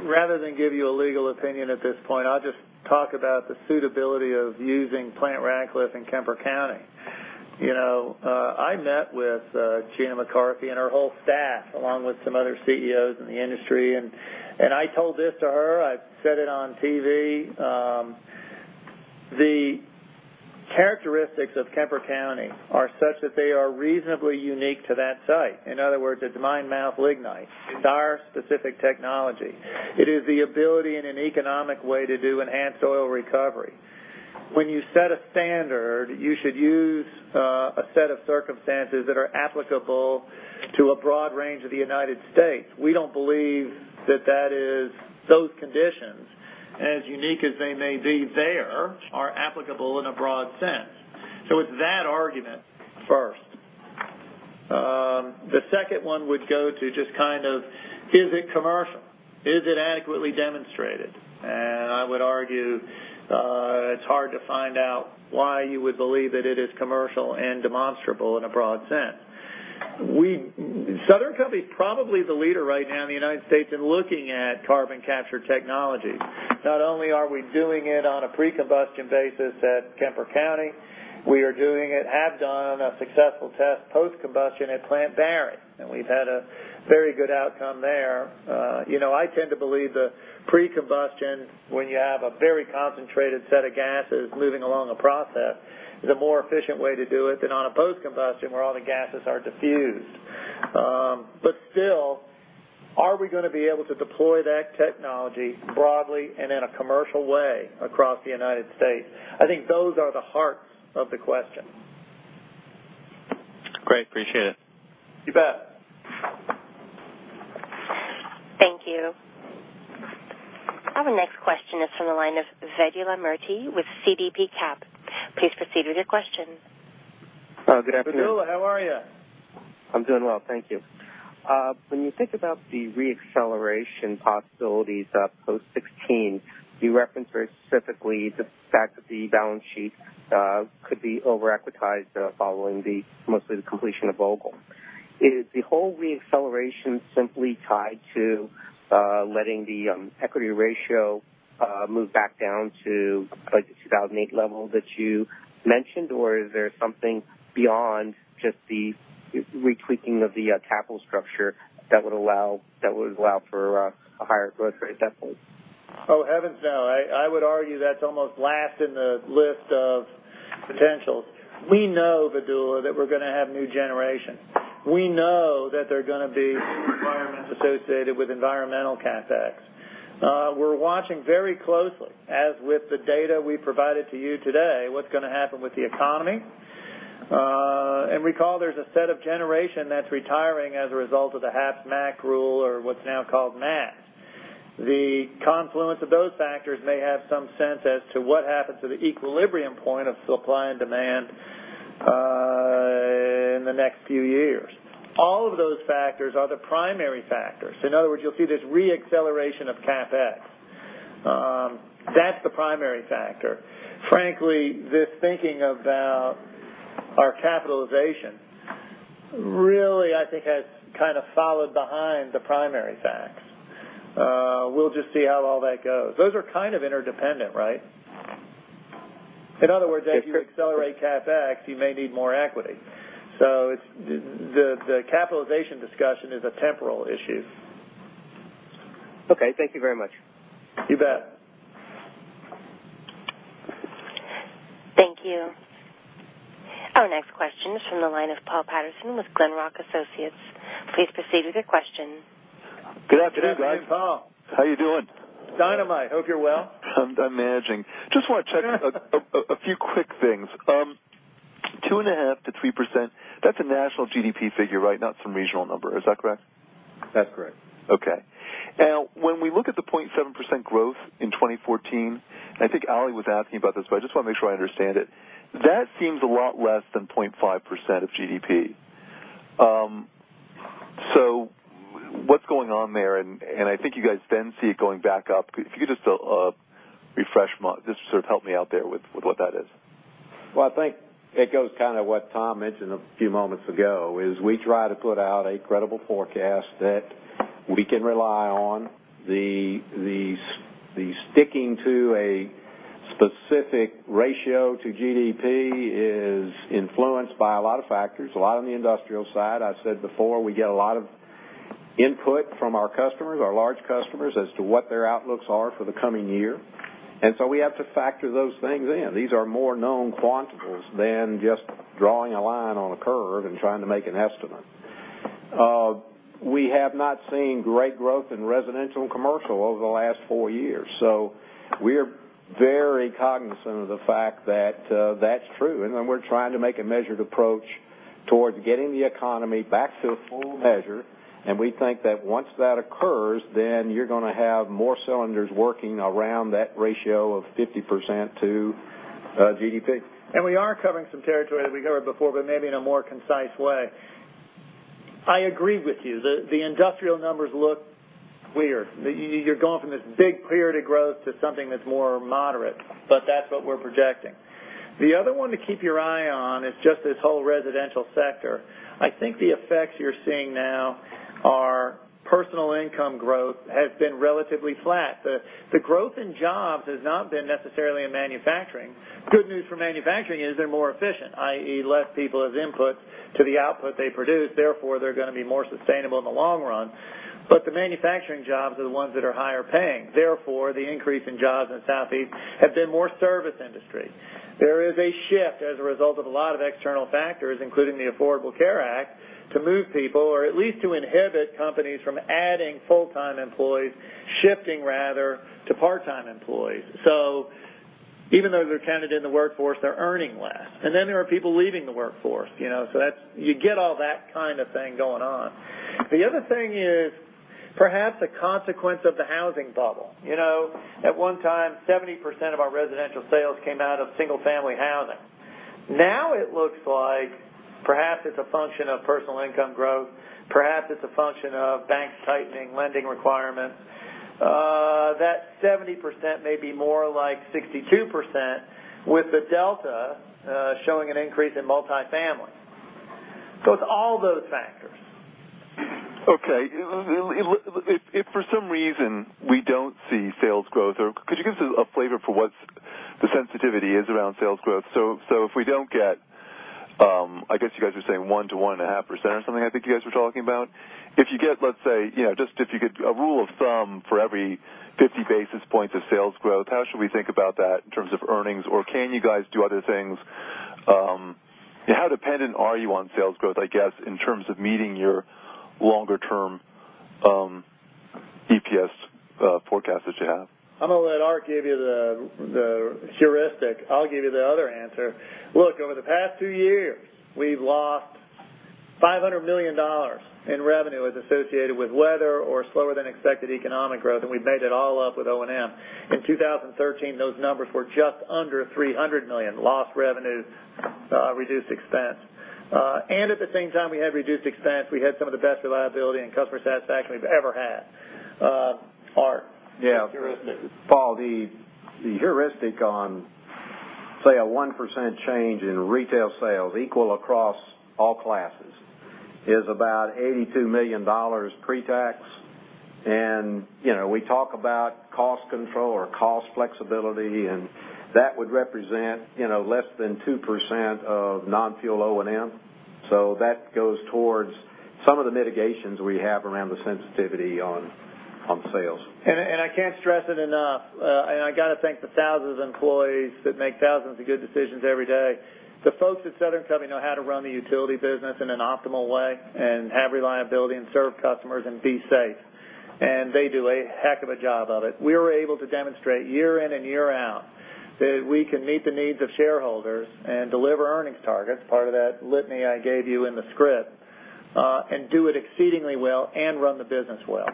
Speaker 3: rather than give you a legal opinion at this point, I'll just talk about the suitability of using Plant Ratcliffe in Kemper County. I met with Gina McCarthy and her whole staff, along with some other CEOs in the industry, and I told this to her, I've said it on TV. The characteristics of Kemper County are such that they are reasonably unique to that site. In other words, it's mine mouth lignite. It's our specific technology. It is the ability in an economic way to do enhanced oil recovery. When you set a standard, you should use a set of circumstances that are applicable to a broad range of the United States. We don't believe that those conditions, as unique as they may be there, are applicable in a broad sense. It's that argument first. The second one would go to just kind of, is it commercial? Is it adequately demonstrated? I would argue, it's hard to find out why you would believe that it is commercial and demonstrable in a broad sense. Southern Company's probably the leader right now in the United States in looking at carbon capture technology. Not only are we doing it on a pre-combustion basis at Kemper County, we are doing it, have done a successful test post-combustion at Plant Barry. We've had a very good outcome there. I tend to believe that pre-combustion, when you have a very concentrated set of gases moving along a process, is a more efficient way to do it than on a post-combustion where all the gases are diffused. Still, are we going to be able to deploy that technology broadly and in a commercial way across the United States? I think those are the hearts of the question.
Speaker 17: Great. Appreciate it.
Speaker 3: You bet.
Speaker 1: Thank you. Our next question is from the line of Vedula Murti with CDP Capital. Please proceed with your question.
Speaker 18: Good afternoon.
Speaker 3: Vedula, how are you?
Speaker 18: I'm doing well. Thank you. When you think about the re-acceleration possibilities post 2016, you referenced very specifically the fact that the balance sheet could be over-equitized following mostly the completion of Vogtle. Is the whole re-acceleration simply tied to letting the equity ratio move back down to like the 2008 level that you mentioned or is there something beyond just the retweaking of the capital structure that would allow for a higher growth rate, that's all?
Speaker 3: Oh, heavens no. I would argue that's almost last in the list of potentials. We know, Vedula, that we're going to have new generation. We know that they're going to be environments associated with environmental CapEx. We're watching very closely, as with the data we provided to you today, what's going to happen with the economy. Recall there's a set of generation that's retiring as a result of the HAPS MACT rule or what's now called MATS. The confluence of those factors may have some sense as to what happens to the equilibrium point of supply and demand in the next few years. All of those factors are the primary factors. In other words, you'll see this re-acceleration of CapEx. The primary factor. Frankly, this thinking about our capitalization really, I think, has kind of followed behind the primary facts. We'll just see how all that goes. Those are kind of interdependent, right? In other words, as you accelerate CapEx, you may need more equity. The capitalization discussion is a temporal issue.
Speaker 18: Okay. Thank you very much.
Speaker 3: You bet.
Speaker 1: Thank you. Our next question is from the line of Paul Patterson with Glenrock Associates. Please proceed with your question.
Speaker 19: Good afternoon, guys.
Speaker 3: Good afternoon, Paul.
Speaker 19: How you doing?
Speaker 3: Dynamite. Hope you're well.
Speaker 19: I'm managing. Just want to check a few quick things. 2.5% to 3%, that's a national GDP figure, right? Not some regional number. Is that correct?
Speaker 3: That's correct.
Speaker 19: Okay. When we look at the 0.7% growth in 2014, I think Ali was asking about this, I just want to make sure I understand it. That seems a lot less than 0.5% of GDP. What's going on there? I think you guys then see it going back up. Could you just sort of help me out there with what that is.
Speaker 4: Well, I think it goes kind of what Tom mentioned a few moments ago, we try to put out a credible forecast that we can rely on. The sticking to a specific ratio to GDP is influenced by a lot of factors, a lot on the industrial side. I said before, we get a lot of input from our customers, our large customers, as to what their outlooks are for the coming year. We have to factor those things in. These are more known quantifiables than just drawing a line on a curve and trying to make an estimate. We have not seen great growth in residential and commercial over the last four years. We're very cognizant of the fact that that's true, we're trying to make a measured approach towards getting the economy back to a full measure.
Speaker 3: We think that once that occurs, you're going to have more cylinders working around that ratio of 50% to GDP. We are covering some territory as we covered before, maybe in a more concise way. I agree with you. The industrial numbers look weird. You're going from this big period of growth to something that's more moderate, that's what we're projecting. The other one to keep your eye on is just this whole residential sector. I think the effects you're seeing now are personal income growth has been relatively flat. The growth in jobs has not been necessarily in manufacturing. Good news for manufacturing is they're more efficient, i.e., less people as input to the output they produce, therefore, they're going to be more sustainable in the long run. The manufacturing jobs are the ones that are higher paying. The increase in jobs in the Southeast have been more service industry. There is a shift as a result of a lot of external factors, including the Affordable Care Act, to move people or at least to inhibit companies from adding full-time employees, shifting rather to part-time employees. Even though they're counted in the workforce, they're earning less. There are people leaving the workforce. You get all that kind of thing going on. The other thing is perhaps a consequence of the housing bubble. At one time, 70% of our residential sales came out of single-family housing. Now it looks like perhaps it's a function of personal income growth, perhaps it's a function of banks tightening lending requirements. That 70% may be more like 62% with the delta showing an increase in multifamily. It's all those factors.
Speaker 19: Okay. If for some reason we don't see sales growth or could you give us a flavor for what the sensitivity is around sales growth? If we don't get, I guess you guys are saying 1%-1.5% or something, I think you guys were talking about. If you get, let's say, just if you get a rule of thumb for every 50 basis points of sales growth, how should we think about that in terms of earnings, or can you guys do other things? How dependent are you on sales growth, I guess, in terms of meeting your longer-term EPS forecast that you have?
Speaker 3: I'm going to let Art give you the heuristic. I'll give you the other answer. Look, over the past two years, we've lost $500 million in revenue as associated with weather or slower than expected economic growth, and we've made it all up with O&M. In 2013, those numbers were just under $300 million lost revenues, reduced expense. At the same time we had reduced expense, we had some of the best reliability and customer satisfaction we've ever had. Art. Yeah. The heuristic. Paul, the heuristic on, say, a 1% change in retail sales equal across all classes is about $82 million pre-tax. We talk about cost control or cost flexibility, and that would represent less than 2% of non-fuel O&M. That goes towards some of the mitigations we have around the sensitivity on sales. I can't stress it enough. I got to thank the thousands of employees that make thousands of good decisions every day. The folks at Southern Company know how to run the utility business in an optimal way and have reliability and serve customers and be safe. They do a heck of a job of it. We were able to demonstrate year in and year out that we can meet the needs of shareholders and deliver earnings targets, part of that litany I gave you in the script, and do it exceedingly well and run the business well.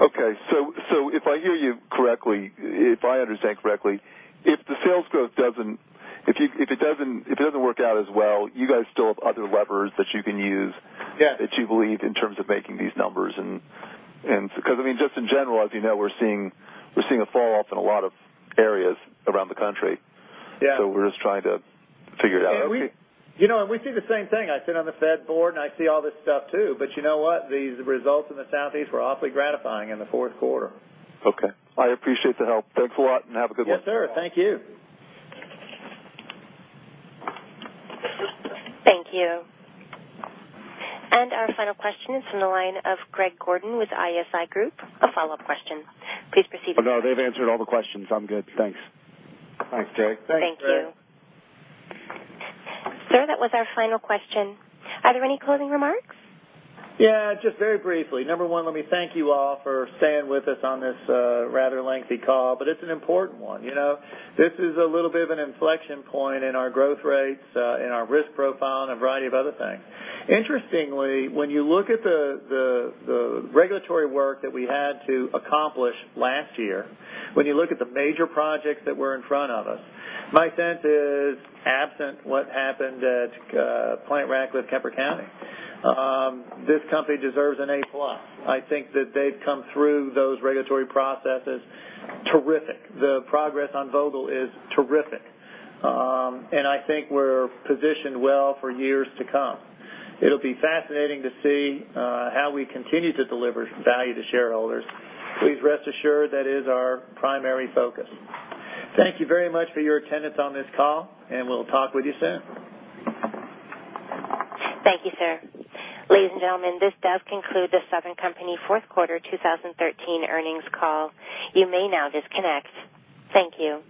Speaker 19: Okay. If I hear you correctly, if I understand correctly, if the sales growth doesn't work out as well, you guys still have other levers that you can use-
Speaker 3: Yeah
Speaker 19: that you believe in terms of making these numbers. Just in general, as you know, we're seeing a fall-off in a lot of areas around the country.
Speaker 3: Yeah.
Speaker 19: We're just trying to figure it out.
Speaker 3: We see the same thing. I sit on the Fed board, and I see all this stuff, too. You know what? These results in the Southeast were awfully gratifying in the fourth quarter.
Speaker 19: Okay. I appreciate the help. Thanks a lot. Have a good day.
Speaker 3: Yes, sir. Thank you.
Speaker 1: Thank you. Our final question is from the line of Greg Gordon with ISI Group, a follow-up question. Please proceed.
Speaker 6: No, they've answered all the questions. I'm good. Thanks.
Speaker 3: Thanks, Greg. Thanks, Greg.
Speaker 1: Thank you. Sir, that was our final question. Are there any closing remarks?
Speaker 3: Yeah, just very briefly. Number one, let me thank you all for staying with us on this rather lengthy call, but it's an important one. This is a little bit of an inflection point in our growth rates, in our risk profile, and a variety of other things. Interestingly, when you look at the regulatory work that we had to accomplish last year, when you look at the major projects that were in front of us, my sense is, absent what happened at Plant Ratcliffe, Kemper County, this company deserves an A-plus. I think that they've come through those regulatory processes terrific. The progress on Vogtle is terrific. I think we're positioned well for years to come. It'll be fascinating to see how we continue to deliver value to shareholders. Please rest assured that is our primary focus. Thank you very much for your attendance on this call, and we'll talk with you soon.
Speaker 1: Thank you, sir. Ladies and gentlemen, this does conclude the Southern Company fourth quarter 2013 earnings call. You may now disconnect. Thank you.